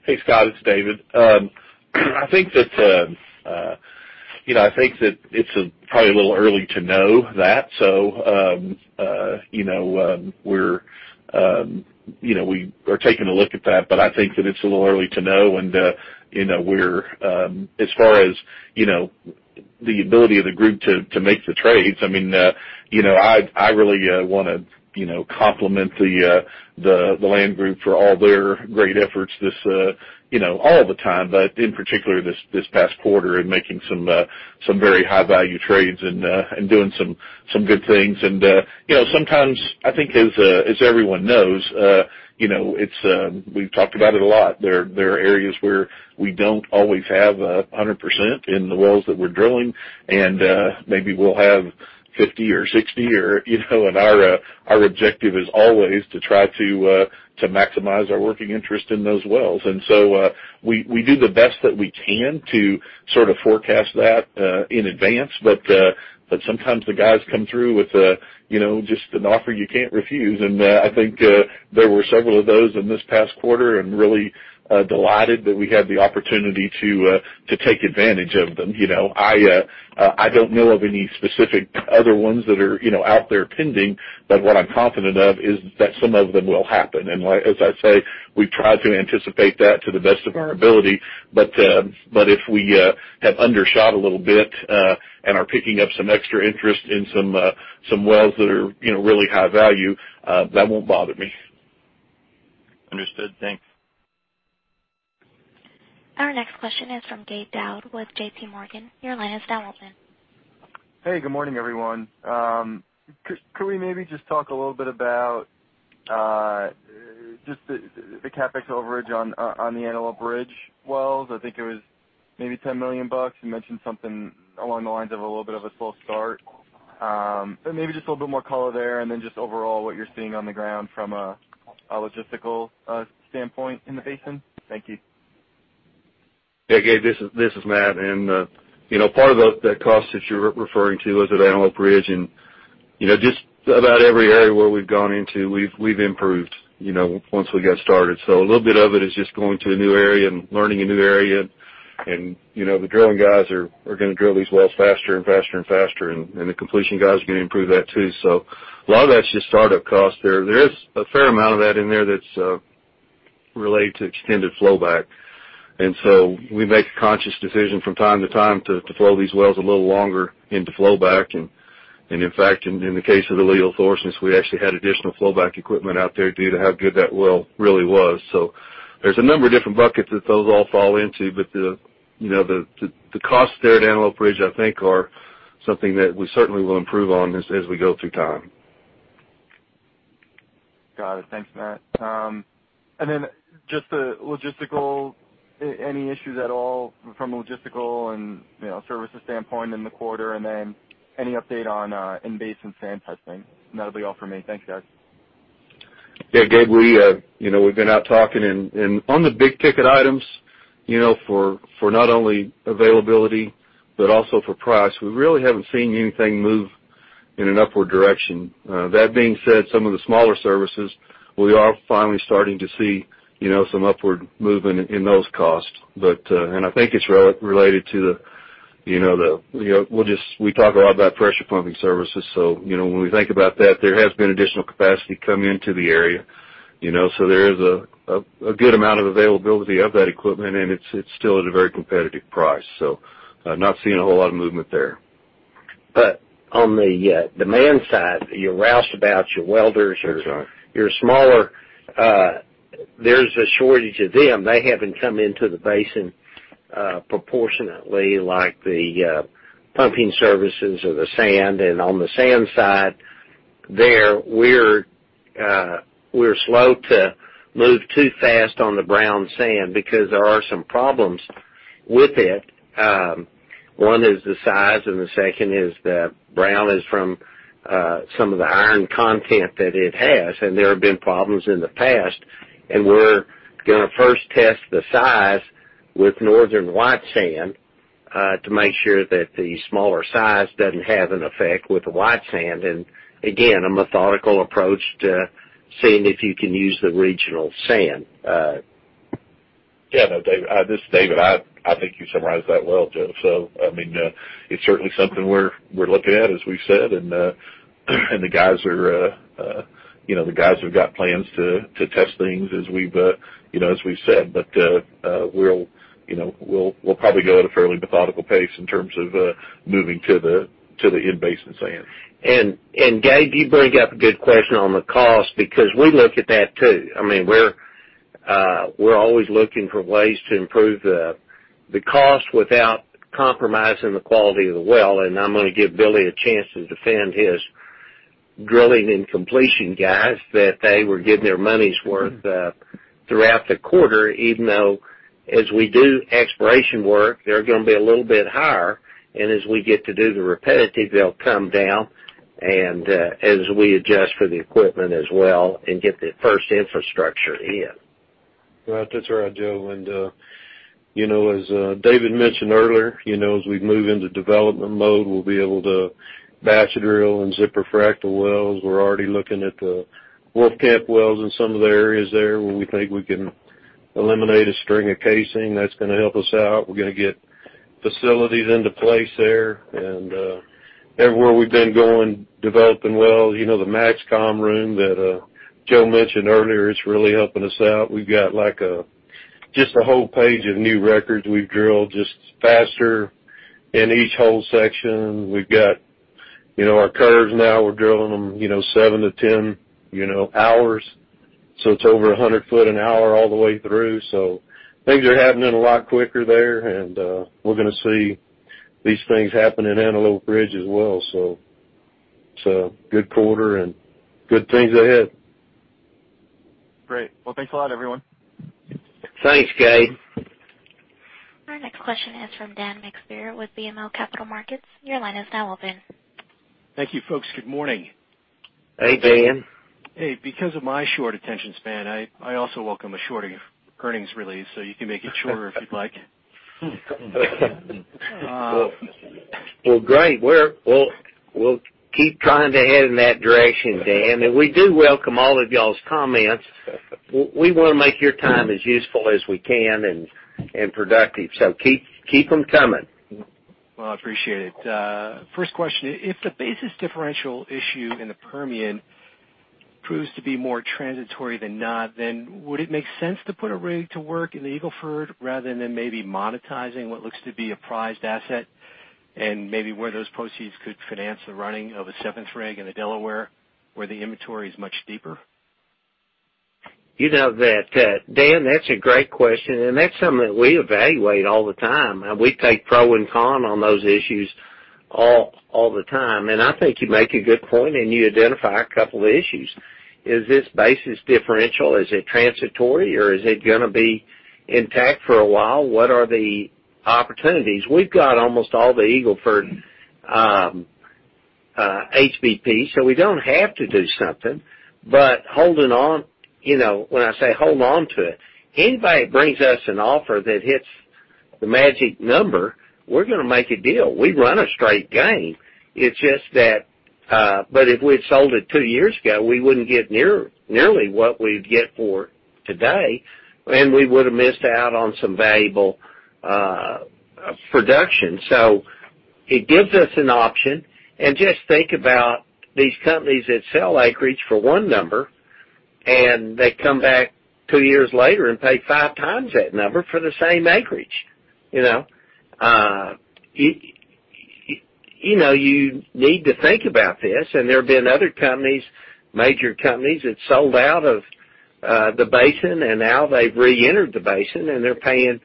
Hey, Scott, it's David. I think that it's probably a little early to know that. We are taking a look at that, but I think that it's a little early to know. As far as the ability of the group to make the trades, I really want to compliment the land group for all their great efforts all the time, but in particular this past quarter in making some very high-value trades and doing some good things. Sometimes, I think as everyone knows, we've talked about it a lot. There are areas where we don't always have 100% in the wells that we're drilling, and maybe we'll have 50 or 60. Our objective is always to try to maximize our working interest in those wells. We do the best that we can to forecast that in advance, but sometimes the guys come through with just an offer you can't refuse. I think there were several of those in this past quarter, and really delighted that we had the opportunity to take advantage of them. I don't know of any specific other ones that are out there pending, but what I'm confident of is that some of them will happen. As I say, we try to anticipate that to the best of our ability, but if we have undershot a little bit, and are picking up some extra interest in some wells that are really high-value, that won't bother me. Understood. Thanks. Our next question is from Gabe Daoud with JPMorgan. Your line is now open. Hey, good morning, everyone. Could we maybe just talk a little bit about just the CapEx overage on the Antelope Ridge wells? I think it was maybe $10 million. You mentioned something along the lines of a little bit of a slow start. Maybe just a little bit more color there, and then just overall what you're seeing on the ground from a logistical standpoint in the basin. Thank you. Hey, Gabe, this is Matt. Part of the cost that you're referring to is at Antelope Ridge, and just about every area where we've gone into, we've improved once we got started. A little bit of it is just going to a new area and learning a new area, and the drilling guys are going to drill these wells faster and faster and faster, and the completion guys are going to improve that too. A lot of that's just startup costs there. There is a fair amount of that in there that's related to extended flow back. We make a conscious decision from time to time to flow these wells a little longer into flow back, and in fact, in the case of the Leo Thorsness, we actually had additional flow back equipment out there due to how good that well really was. There's a number of different buckets that those all fall into, the cost there at Antelope Ridge, I think, are something that we certainly will improve on as we go through time. Got it. Thanks, Matt. Just the logistical, any issues at all from a logistical and services standpoint in the quarter? Any update on in-basin sand testing? That'll be all for me. Thanks, guys. Yeah, Gabe, we've been out talking, on the big-ticket items, for not only availability but also for price, we really haven't seen anything move in an upward direction. That being said, some of the smaller services, we are finally starting to see some upward movement in those costs. I think it's related to We talk a lot about pressure pumping services, when we think about that, there has been additional capacity coming into the area. There is a good amount of availability of that equipment, and it's still at a very competitive price, I'm not seeing a whole lot of movement there. On the demand side, you're [roused] about your welders. That's right Your smaller, there's a shortage of them. They haven't come into the basin proportionately like the pumping services or the sand. On the sand side, there we're slow to move too fast on the brown sand because there are some problems with it. One is the size, and the second is that brown is from some of the iron content that it has, and there have been problems in the past, and we're going to first test the size with northern white sand, to make sure that the smaller size doesn't have an effect with the white sand, and again, a methodical approach to seeing if you can use the regional sand. Yeah. No, David, this is David. I think you summarized that well, Joe. It's certainly something we're looking at, as we've said, and the guys have got plans to test things as we've said. We'll probably go at a fairly methodical pace in terms of moving to the in-basin sand. Gabe, you bring up a good question on the cost, because we look at that too. We're always looking for ways to improve the cost without compromising the quality of the well, and I'm going to give Billy a chance to defend his drilling and completion guys, that they were getting their money's worth throughout the quarter, even though as we do exploration work, they're going to be a little bit higher, and as we get to do the repetitive, they'll come down, and as we adjust for the equipment as well and get the first infrastructure in. Right. That's right, Joe. As David mentioned earlier, as we move into development mode, we'll be able to batch drill and zipper frac wells. We're already looking at the Wolfcamp wells in some of the areas there where we think we can eliminate a string of casing. That's going to help us out. We're going to get facilities into place there. Everywhere we've been going, developing wells, the MAXCOM room that Joe mentioned earlier, it's really helping us out. We've got just a whole page of new records. We've drilled just faster in each hole section. We've got our curves now. We're drilling them 7 to 10 hours, so it's over 100 feet an hour all the way through. Things are happening a lot quicker there, and we're going to see these things happen in Antelope Ridge as well. It's a good quarter and good things ahead. Great. Well, thanks a lot, everyone. Thanks, Gabe. Our next question is from Dan McSpirit with BMO Capital Markets. Your line is now open. Thank you, folks. Good morning. Hey, Dan. Hey. Because of my short attention span, I also welcome a shorter earnings release, so you can make it shorter if you'd like. Well, great. We'll keep trying to head in that direction, Dan, we do welcome all of y'all's comments. We want to make your time as useful as we can, and productive. Keep them coming. Well, I appreciate it. First question, if the basis differential issue in the Permian proves to be more transitory than not, then would it make sense to put a rig to work in the Eagle Ford rather than maybe monetizing what looks to be a prized asset, and maybe where those proceeds could finance the running of a seventh rig in the Delaware, where the inventory is much deeper? Dan, that's a great question, and that's something that we evaluate all the time. We take pro and con on those issues all the time. I think you make a good point, and you identify a couple of issues. Is this basis differential, is it transitory or is it gonna be intact for a while? What are the opportunities? We've got almost all the Eagle Ford, HBP, so we don't have to do something. Holding on, when I say hold on to it, anybody brings us an offer that hits the magic number, we're gonna make a deal. We run a straight game. It's just that, but if we'd sold it two years ago, we wouldn't get nearly what we'd get for today, and we would've missed out on some valuable production. It gives us an option, and just think about these companies that sell acreage for one number, and they come back two years later and pay five times that number for the same acreage. You need to think about this, and there have been other companies, major companies, that sold out of the basin, and now they've reentered the basin, and they're paying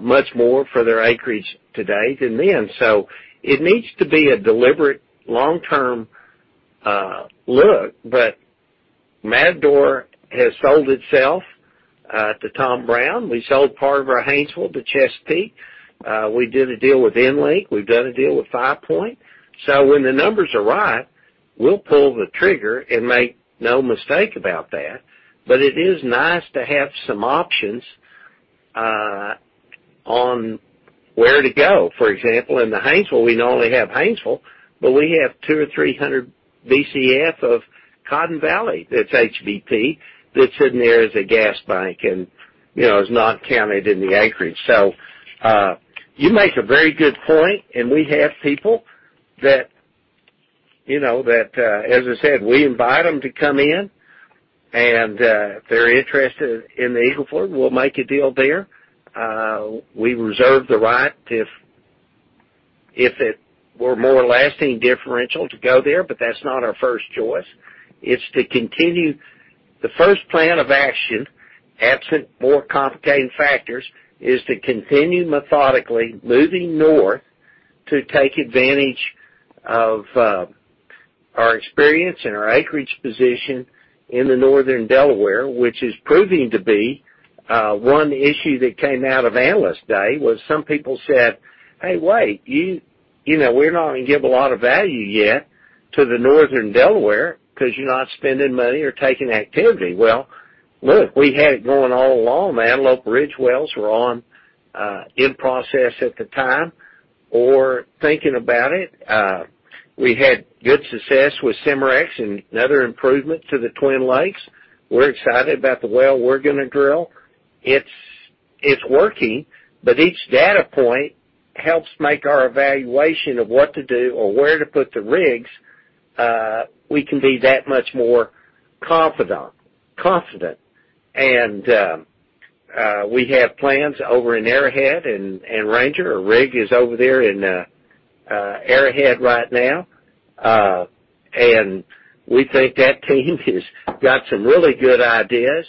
much more for their acreage today than then. It needs to be a deliberate long-term look. Matador has sold itself, to Tom Brown. We sold part of our Haynesville to Chesapeake. We did a deal with EnLink. We've done a deal with FivePoint. When the numbers are right, we'll pull the trigger and make no mistake about that. It is nice to have some options, on where to go. For example, in the Haynesville, we normally have Haynesville, but we have 200 or 300 Bcf of Cotton Valley that's HBP, that's sitting there as a gas bank, and is not counted in the acreage. You make a very good point, and we have people that, as I said, we invite them to come in, and if they're interested in the Eagle Ford, we'll make a deal there. We reserve the right, if it were more lasting differential, to go there, that's not our first choice. It's to continue. The first plan of action, absent more complicating factors, is to continue methodically moving north to take advantage of our experience and our acreage position in the northern Delaware, which is proving to be. One issue that came out of Analyst Day was some people said, "Hey, wait, we're not going to give a lot of value yet to the northern Delaware because you're not spending money or taking activity." Look, we had it going all along. The Antelope Ridge wells were all in process at the time, or thinking about it. We had good success with Cimarex and another improvement to the Twin Lakes. We're excited about the well we're going to drill. It's working, each data point helps make our evaluation of what to do or where to put the rigs, we can be that much more confident. We have plans over in Arrowhead and Ranger. A rig is over there in Arrowhead right now. We think that team has got some really good ideas,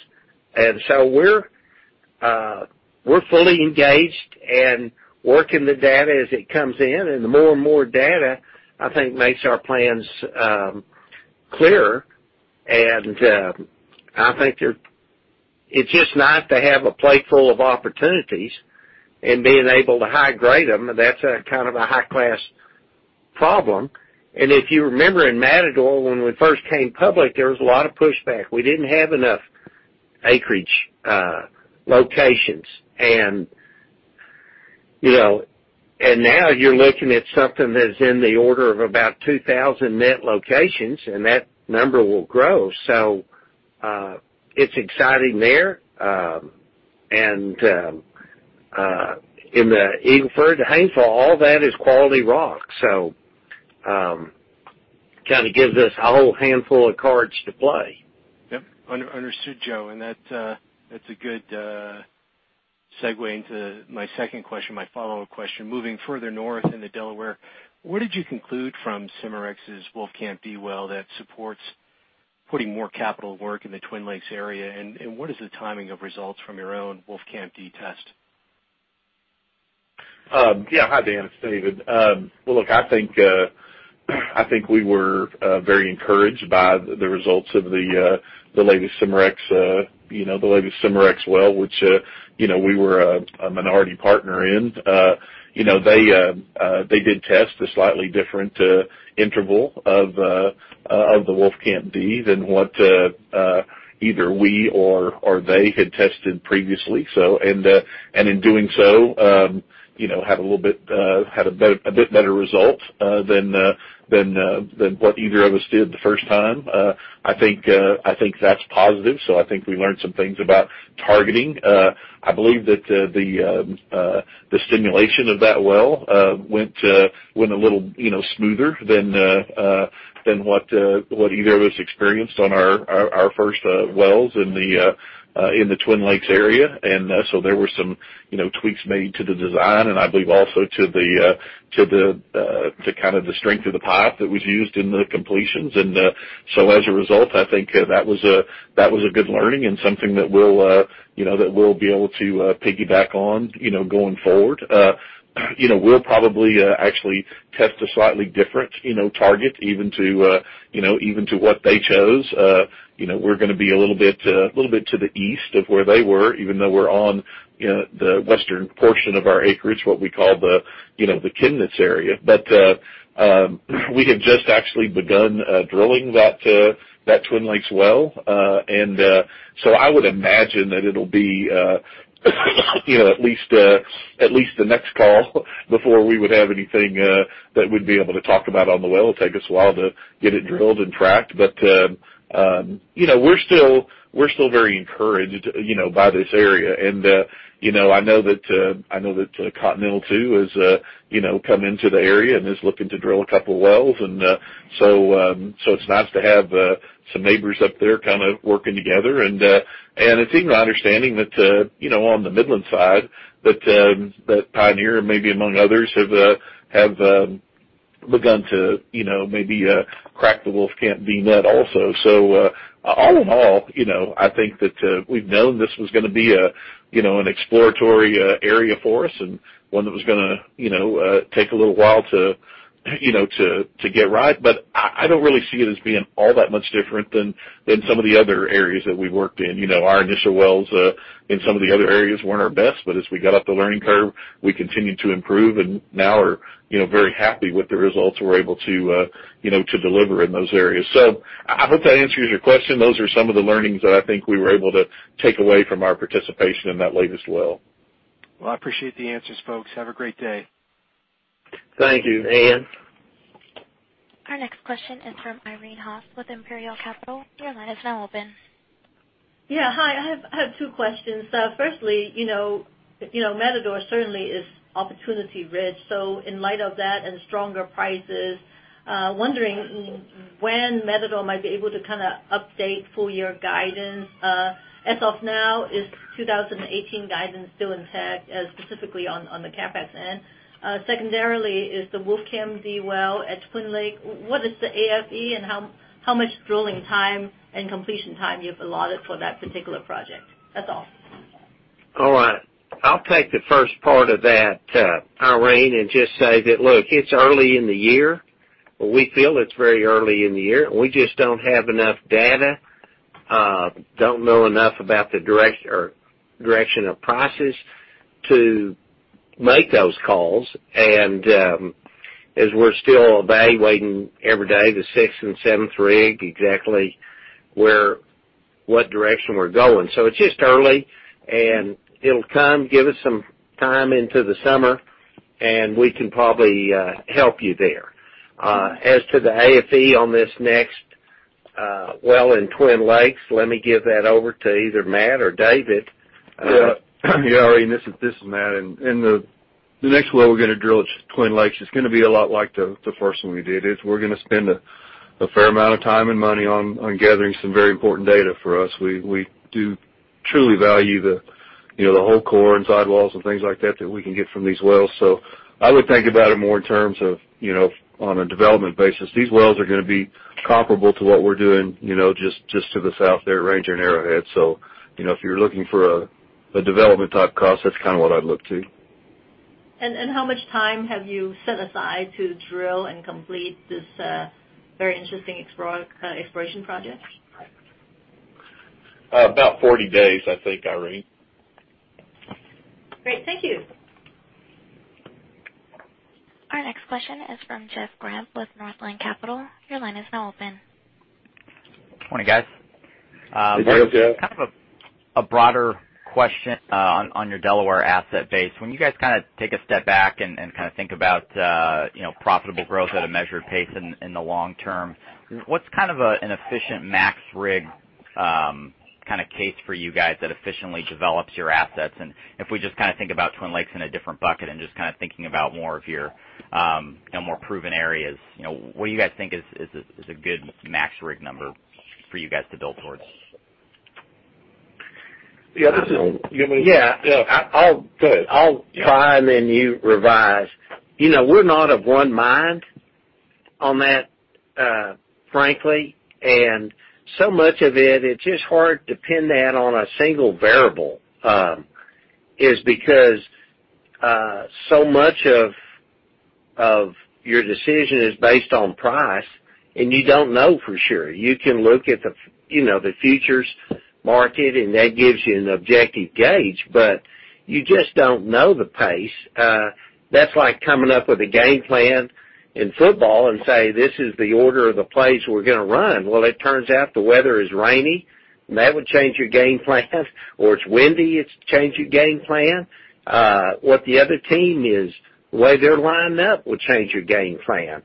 we're fully engaged and working the data as it comes in. The more and more data, I think, makes our plans clearer, and, I think it's just nice to have a plate full of opportunities and being able to high-grade them, and that's a kind of a high-class problem. If you remember in Matador, when we first came public, there was a lot of pushback. We didn't have enough acreage locations, and now you're looking at something that's in the order of about 2,000 net locations, and that number will grow. It's exciting there. In the Eagle Ford, Haynesville, all that is quality rock. Kind of gives us a whole handful of cards to play. Yep. Understood, Joe, that's a good segue into my second question, my follow-up question. Moving further north in the Delaware, what did you conclude from Cimarex's Wolfcamp D well that supports putting more capital work in the Twin Lakes area, what is the timing of results from your own Wolfcamp D test? Hi, Dan, it's David. Well, look, I think we were very encouraged by the results of the latest Cimarex well, which we were a minority partner in. They did test a slightly different interval of the Wolfcamp D than what either we or they had tested previously. In doing so had a bit better result than what either of us did the first time. I think that's positive. I think we learned some things about targeting. I believe that the stimulation of that well went a little smoother than what either of us experienced on our first wells in the Twin Lakes area. There were some tweaks made to the design, and I believe also to the strength of the pipe that was used in the completions. As a result, I think that was a good learning and something that we'll be able to piggyback on going forward. We'll probably actually test a slightly different target even to what they chose. We're going to be a little bit to the east of where they were, even though we're on the western portion of our acreage, what we call the Kinness area. We have just actually begun drilling that Twin Lakes well. I would imagine that it'll be at least the next call before we would have anything that we'd be able to talk about on the well. It'll take us a while to get it drilled and tracked. We're still very encouraged by this area, and I know that Continental too has come into the area and is looking to drill a couple wells. It's nice to have some neighbors up there working together. It's in my understanding that on the Midland side, that Pioneer, maybe among others, have begun to maybe crack the Wolfcamp D nut also. All in all, I think that we've known this was going to be an exploratory area for us and one that was going to take a little while to get right. I don't really see it as being all that much different than some of the other areas that we've worked in. Our initial wells in some of the other areas weren't our best, but as we got up the learning curve, we continued to improve and now are very happy with the results we're able to deliver in those areas. I hope that answers your question. Those are some of the learnings that I think we were able to take away from our participation in that latest well. I appreciate the answers, folks. Have a great day. Thank you, Dan. Our next question is from Irene Haas with Imperial Capital. Your line is now open. Yeah. Hi. I have two questions. Firstly, Matador certainly is opportunity rich. In light of that and stronger prices, wondering when Matador might be able to update full year guidance. As of now, is 2018 guidance still intact, specifically on the CapEx end? Secondarily, is the Wolfcamp D well at Twin Lakes, what is the AFE and how much drilling time and completion time you've allotted for that particular project? That's all. All right. I'll take the first part of that, Irene, just say that, look, it's early in the year. We feel it's very early in the year, and we just don't have enough data, don't know enough about the direction of prices to make those calls. As we're still evaluating every day, the sixth and seventh rig exactly what direction we're going. It's just early, and it'll come, give us some time into the summer, and we can probably help you there. As to the AFE on this next well in Twin Lakes, let me give that over to either Matt or David. Yeah. Irene, this is Matt. The next well we're going to drill at Twin Lakes is going to be a lot like the first one we did, is we're going to spend a fair amount of time and money on gathering some very important data for us. We do truly value the whole core and sidewalls and things like that we can get from these wells. I would think about it more in terms of on a development basis. These wells are going to be comparable to what we're doing just to the south there at Ranger and Arrowhead. If you're looking for a development type cost, that's what I'd look to. How much time have you set aside to drill and complete this very interesting exploration project? About 40 days, I think, Irene. Great. Thank you. Our next question is from Jeff Grampp with Northland Capital. Your line is now open. Morning, guys. Good morning, Jeff. Just kind of a broader question on your Delaware asset base. When you guys take a step back and think about profitable growth at a measured pace in the long term, what is an efficient max rig case for you guys that efficiently develops your assets? And if we just think about Twin Lakes in a different bucket and just thinking about more of your more proven areas, what do you guys think is a good max rig number for you guys to build towards? Yeah. Yeah. Yeah. Go ahead. I will try and then you revise. We are not of one mind On that, frankly, and so much of it's just hard to pin that on a single variable, is because so much of your decision is based on price, and you don't know for sure. You can look at the futures market, and that gives you an objective gauge, but you just don't know the pace. That's like coming up with a game plan in football and say, "This is the order of the plays we're going to run." Well, it turns out the weather is rainy, and that would change your game plan. It's windy, it's change your game plan. What the other team is, the way they're lined up will change your game plan.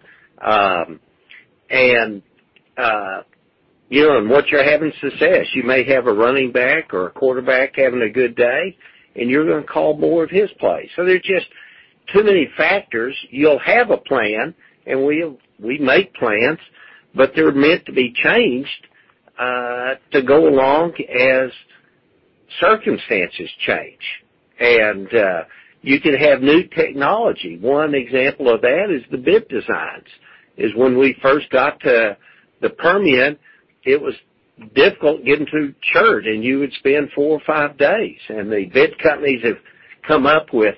What you're having success. You may have a running back or a quarterback having a good day, and you're going to call more of his plays. There's just too many factors. You'll have a plan, and we make plans, but they're meant to be changed, to go along as circumstances change. You could have new technology. One example of that is the bit designs, is when we first got to the Permian, it was difficult getting through chert, and you would spend four or five days, and the bit companies have come up with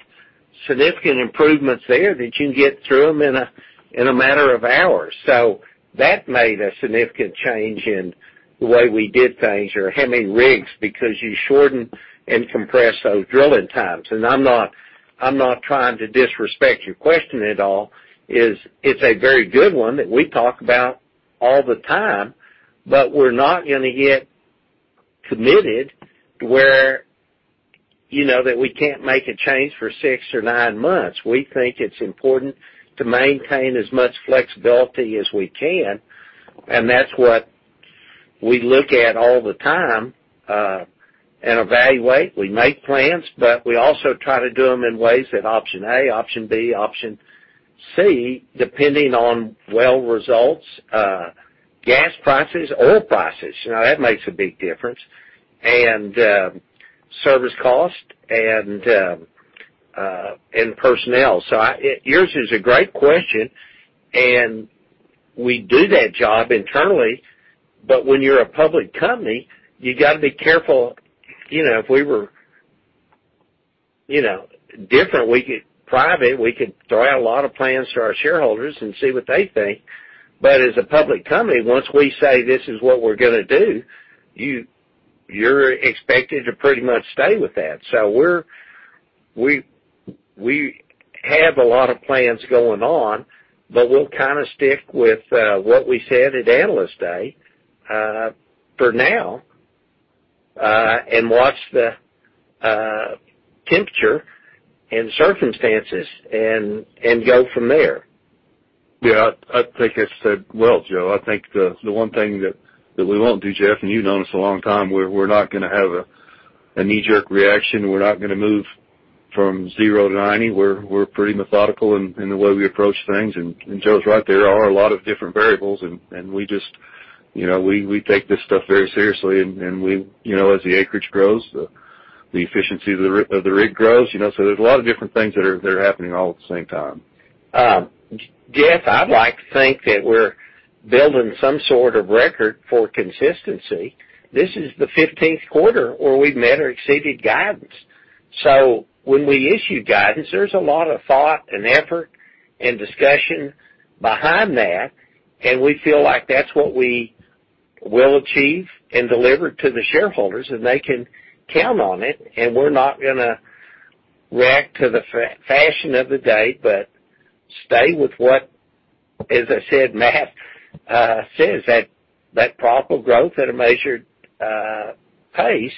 significant improvements there that you can get through them in a matter of hours. That made a significant change in the way we did things, or how many rigs, because you shorten and compress those drilling times. I'm not trying to disrespect your question at all, it's a very good one that we talk about all the time, but we're not going to get committed where we can't make a change for six or nine months. We think it's important to maintain as much flexibility as we can, and that's what we look at all the time, and evaluate. We make plans, but we also try to do them in ways that option A, option B, option C, depending on well results, gas prices, oil prices, that makes a big difference, and service cost, and personnel. Yours is a great question, and we do that job internally, but when you're a public company, you got to be careful. If we were different, private, we could throw out a lot of plans to our shareholders and see what they think. As a public company, once we say, "This is what we're gonna do," you're expected to pretty much stay with that. We have a lot of plans going on, but we'll kind of stick with what we said at Analyst Day for now, and watch the temperature and circumstances and go from there. I think that's said well, Joe. I think the one thing that we won't do, Jeff, and you've known us a long time, we're not gonna have a knee-jerk reaction. We're not gonna move from zero to 90. We're pretty methodical in the way we approach things, and Joe's right, there are a lot of different variables, and we take this stuff very seriously, and as the acreage grows, the efficiency of the rig grows. There's a lot of different things that are happening all at the same time. Jeff, I'd like to think that we're building some sort of record for consistency. This is the 15th quarter where we've met or exceeded guidance. When we issue guidance, there's a lot of thought and effort and discussion behind that, and we feel like that's what we will achieve and deliver to the shareholders, and they can count on it. We're not gonna react to the fashion of the day, but stay with what, as I said, math says, that profitable growth at a measured pace.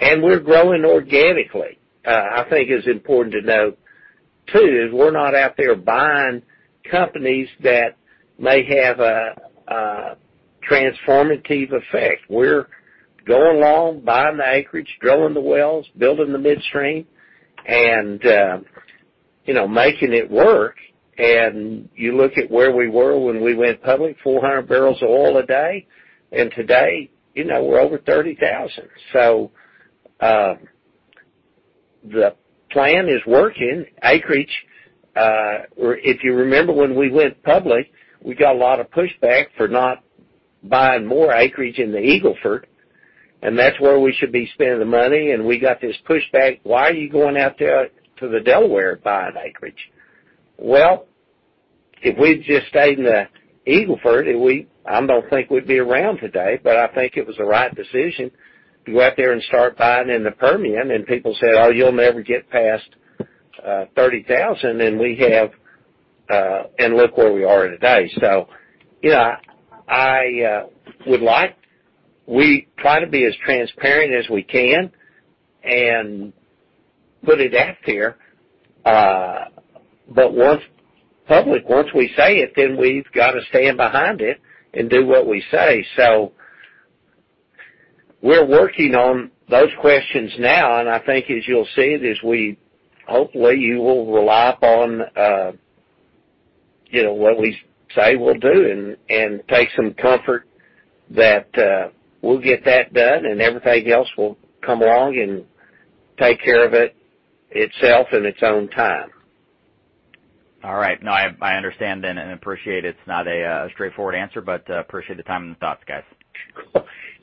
We're growing organically. I think it's important to note, too, is we're not out there buying companies that may have a transformative effect. We're going along, buying the acreage, drilling the wells, building the midstream, and making it work. You look at where we were when we went public, 400 barrels of oil a day, and today, we're over 30,000. The plan is working. Acreage, if you remember when we went public, we got a lot of pushback for not buying more acreage in the Eagle Ford, and that's where we should be spending the money, and we got this pushback, "Why are you going out there to the Delaware buying acreage?" Well, if we'd just stayed in the Eagle Ford, I don't think we'd be around today, but I think it was the right decision to go out there and start buying in the Permian. People said, "Oh, you'll never get past 30,000," and look where we are today. We try to be as transparent as we can and put it out there. Once public, once we say it, then we've got to stand behind it and do what we say. We're working on those questions now, and I think as you'll see, hopefully, you will rely upon what we say we'll do and take some comfort that we'll get that done, and everything else will come along. Take care of it itself in its own time. All right. No, I understand then and appreciate it's not a straightforward answer, but appreciate the time and the thoughts, guys.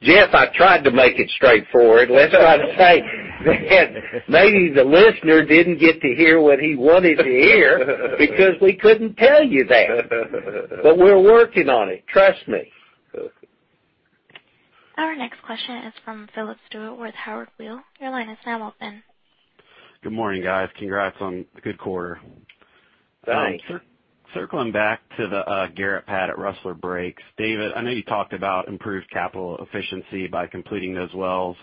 Jeff, I tried to make it straightforward. Let's try to say maybe the listener didn't get to hear what he wanted to hear because we couldn't tell you that. We're working on it, trust me. Our next question is from Phillip Stewart with Howard Weil. Your line is now open. Good morning, guys. Congrats on a good quarter. Thanks. Circling back to the Garrett pad at Rustler Breaks. David, I know you talked about improved capital efficiency by completing those wells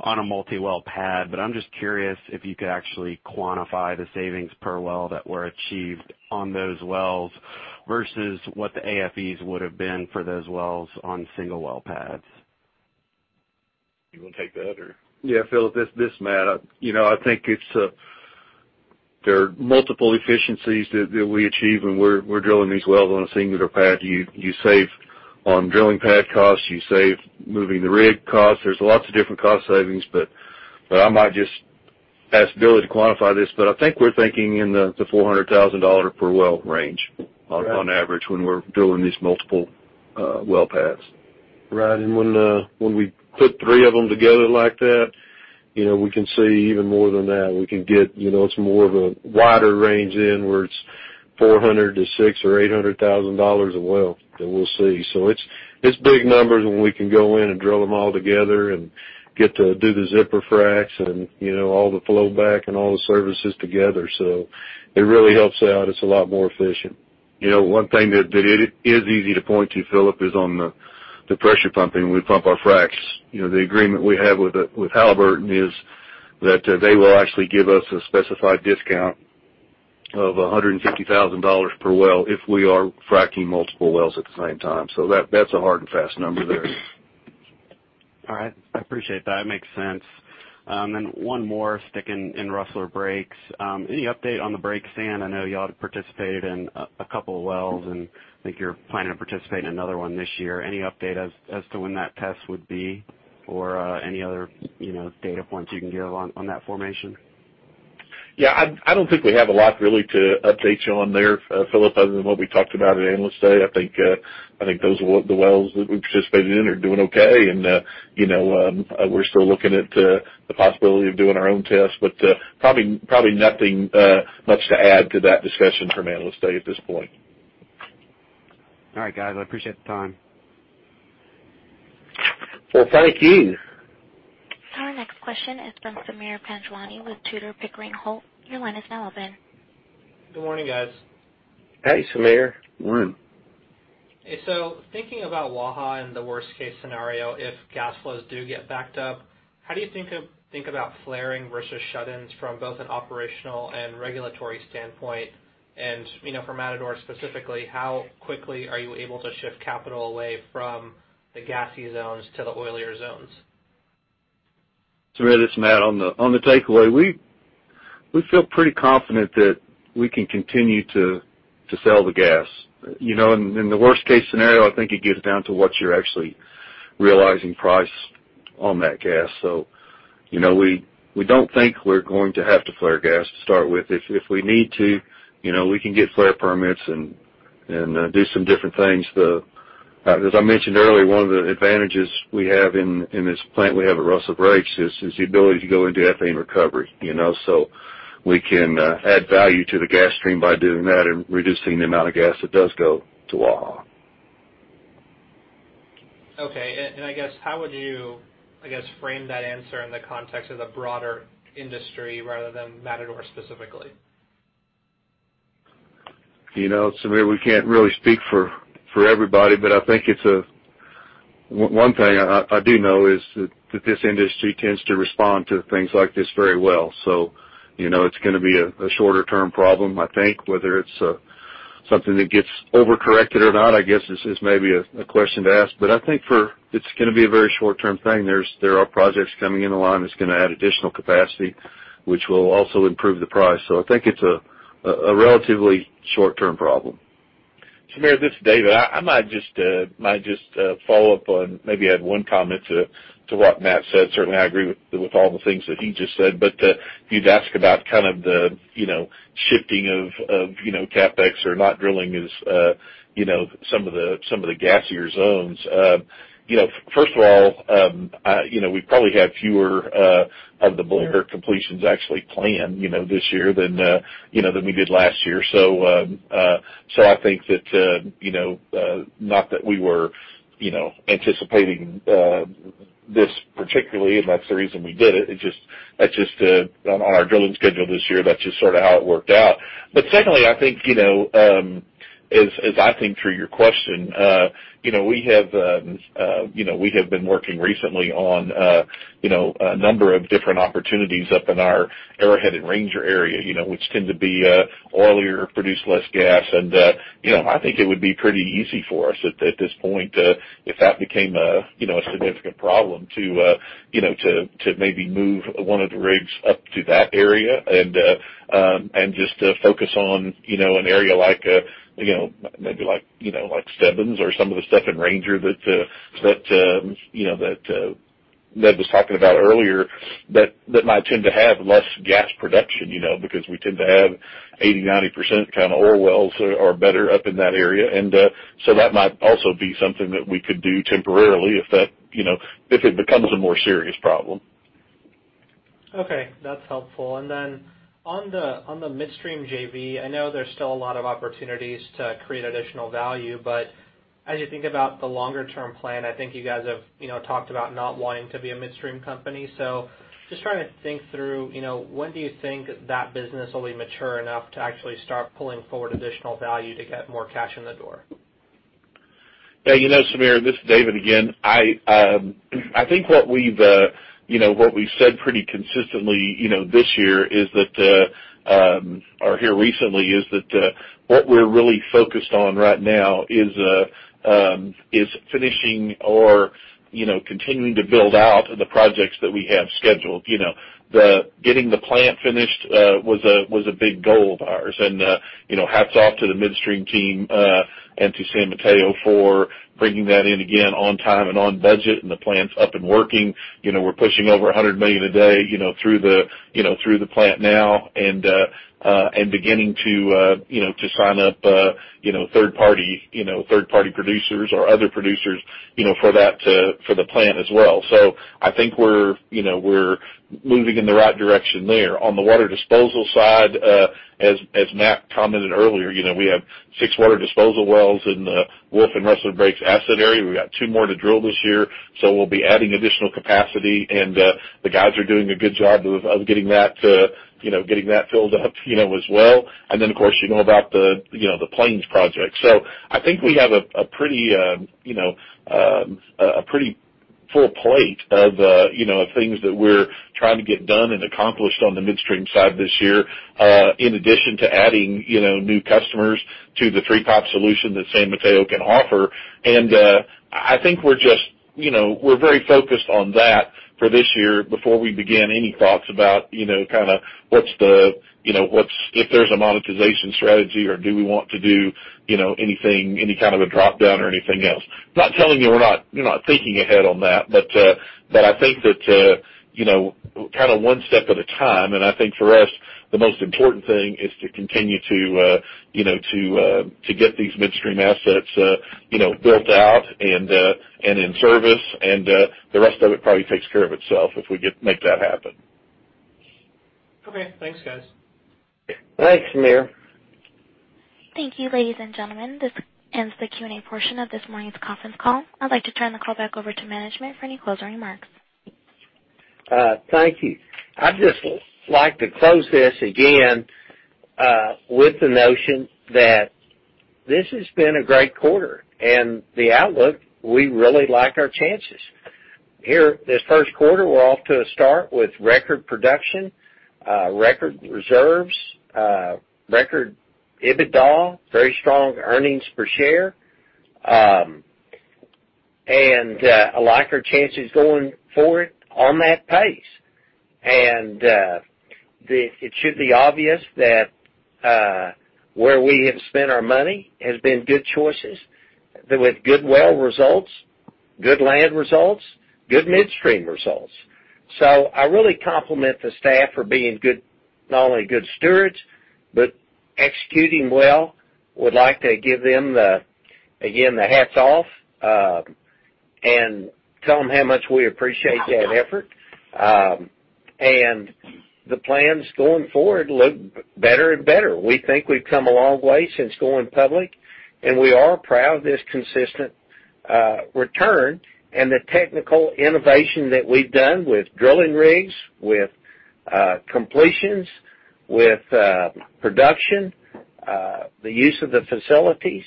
on a multi-well pad, but I'm just curious if you could actually quantify the savings per well that were achieved on those wells versus what the AFEs would've been for those wells on single well pads. You want to take that? Yeah. Phillip, this is Matt. I think there are multiple efficiencies that we achieve when we're drilling these wells on a singular pad. You save on drilling pad costs, you save moving the rig costs. There's lots of different cost savings, but I might just ask Billy to quantify this, but I think we're thinking in the $400,000 per well range on average when we're drilling these multiple well pads. Right. When we put three of them together like that, we can see even more than that. It's more of a wider range then, where it's $400,000-$600,000 or $800,000 a well that we'll see. It's big numbers when we can go in and drill them all together and get to do the zipper fracs and all the flow back and all the services together. It really helps out. It's a lot more efficient. One thing that it is easy to point to, Phillip, is on the pressure pumping. We pump our fracs. The agreement we have with Halliburton is that they will actually give us a specified discount of $150,000 per well if we are fracking multiple wells at the same time. That's a hard and fast number there. All right. I appreciate that. It makes sense. One more sticking in Rustler Breaks. Any update on the break sand? I know y'all have participated in a couple of wells, and I think you're planning to participate in another one this year. Any update as to when that test would be or any other data points you can give on that formation? Yeah. I don't think we have a lot really to update you on there, Phillip, other than what we talked about at Analyst Day. The wells that we've participated in are doing okay and we're still looking at the possibility of doing our own test, but probably nothing much to add to that discussion from Analyst Day at this point. All right, guys. I appreciate the time. Well, thank you. Our next question is from Sameer Panjwani with Tudor, Pickering, Holt. Your line is now open. Good morning, guys. Hey, Samir. Morning. Thinking about Waha and the worst case scenario, if gas flows do get backed up, how do you think about flaring versus shut-ins from both an operational and regulatory standpoint? For Matador specifically, how quickly are you able to shift capital away from the gassy zones to the oilier zones? Samir, this is Matt. On the takeaway, we feel pretty confident that we can continue to sell the gas. In the worst case scenario, I think it gets down to what you're actually realizing price on that gas. We don't think we're going to have to flare gas to start with. If we need to, we can get flare permits and do some different things. As I mentioned earlier, one of the advantages we have in this plant we have at Rustler Breaks is the ability to go into ethane recovery. We can add value to the gas stream by doing that and reducing the amount of gas that does go to Waha. Okay. I guess how would you frame that answer in the context of the broader industry rather than Matador specifically? Sameer, we can't really speak for everybody, but I think it's a. One thing I do know is that this industry tends to respond to things like this very well. It's going to be a shorter-term problem, I think. Whether it's something that gets over-corrected or not, I guess, is maybe a question to ask. I think it's going to be a very short-term thing. There are projects coming in the line that's going to add additional capacity, which will also improve the price. I think it's a relatively short-term problem. Sameer, this is David. I might just follow up on, maybe add one comment to what Matt said. Certainly, I agree with all the things that he just said, you'd ask about the shifting of CapEx or not drilling some of the gassier zones. First of all, we probably have fewer of the Blair completions actually planned this year than we did last year. I think that, not that we were anticipating this particularly, and that's the reason we did it, that's just on our drilling schedule this year, that's just sort of how it worked out. Secondly, I think as I think through your question, we have been working recently on a number of different opportunities up in our Arrowhead and Ranger area which tend to be oilier, produce less gas, and I think it would be pretty easy for us at this point, if that became a significant problem to maybe move one of the rigs up to that area and just focus on an area maybe like Stebbins or some of the stuff in Ranger that Ned was talking about earlier that might tend to have less gas production, because we tend to have 80%-90% oil wells are better up in that area. That might also be something that we could do temporarily if it becomes a more serious problem. Okay, that's helpful. On the midstream JV, I know there's still a lot of opportunities to create additional value, as you think about the longer-term plan, I think you guys have talked about not wanting to be a midstream company. Just trying to think through, when do you think that business will be mature enough to actually start pulling forward additional value to get more cash in the door? Sameer, this is David again. I think what we've said pretty consistently this year is that what we're really focused on right now is finishing or continuing to build out the projects that we have scheduled. Getting the plant finished was a big goal of ours, and hats off to the midstream team and to San Mateo for bringing that in again on time and on budget, and the plant's up and working. We're pushing over 100 million a day through the plant now and beginning to sign up third-party producers or other producers for the plant as well. I think we're moving in the right direction there. On the water disposal side, as Matt commented earlier, we have six water disposal wells in Wolfcamp and Rustler Breaks asset area. We got two more to drill this year, we'll be adding additional capacity, and the guys are doing a good job of getting that filled up as well. Then, of course, about the Plains project. I think we have a pretty full plate of things that we're trying to get done and accomplished on the midstream side this year, in addition to adding new customers to the three-top solution that San Mateo can offer. I think we're very focused on that for this year before we begin any thoughts about if there's a monetization strategy or do we want to do any kind of a drop-down or anything else. Not telling you we're not thinking ahead on that, I think that one step at a time, I think for us, the most important thing is to continue to get these midstream assets built out and in service, the rest of it probably takes care of itself if we make that happen. Okay. Thanks, guys. Thanks, Sameer. Thank you, ladies and gentlemen. This ends the Q&A portion of this morning's conference call. I'd like to turn the call back over to management for any closing remarks. Thank you. I'd just like to close this again with the notion that this has been a great quarter. The outlook, we really like our chances. Here, this first quarter, we're off to a start with record production, record reserves, record EBITDA, very strong earnings per share. I like our chances going forward on that pace. It should be obvious that where we have spent our money has been good choices, with good well results, good land results, good midstream results. I really compliment the staff for being not only good stewards, but executing well. Would like to give them the hats off, and tell them how much we appreciate that effort. The plans going forward look better and better. We think we've come a long way since going public. We are proud of this consistent return and the technical innovation that we've done with drilling rigs, with completions, with production, the use of the facilities.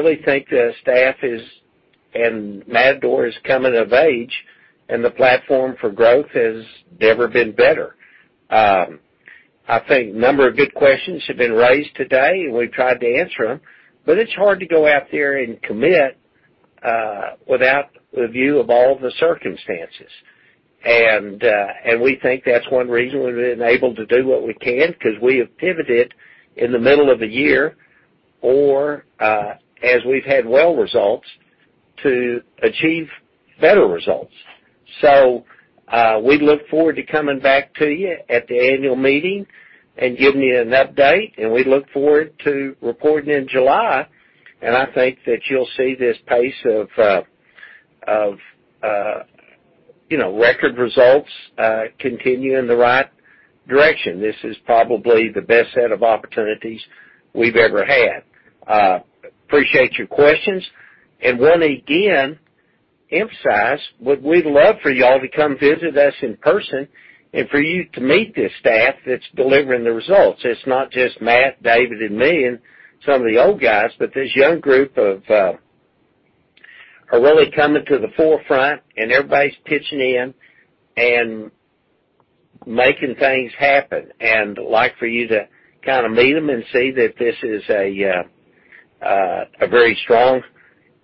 Really think the staff is, and Matador is coming of age. The platform for growth has never been better. I think a number of good questions have been raised today. We've tried to answer them. It's hard to go out there and commit without the view of all the circumstances. We think that's one reason we've been able to do what we can, because we have pivoted in the middle of a year, or as we've had well results, to achieve better results. We look forward to coming back to you at the annual meeting and giving you an update. We look forward to reporting in July. I think that you'll see this pace of record results continue in the right direction. This is probably the best set of opportunities we've ever had. Appreciate your questions, and want to again emphasize what we'd love for you all to come visit us in person and for you to meet this staff that's delivering the results. It's not just Matt, David, and me, and some of the old guys, but this young group are really coming to the forefront, and everybody's pitching in and making things happen. Like for you to meet them and see that this is a very strong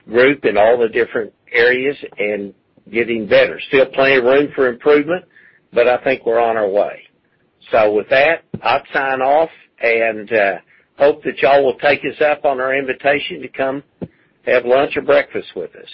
group in all the different areas and getting better. Still plenty of room for improvement, but I think we're on our way. With that, I'll sign off and hope that you all will take us up on our invitation to come have lunch or breakfast with us.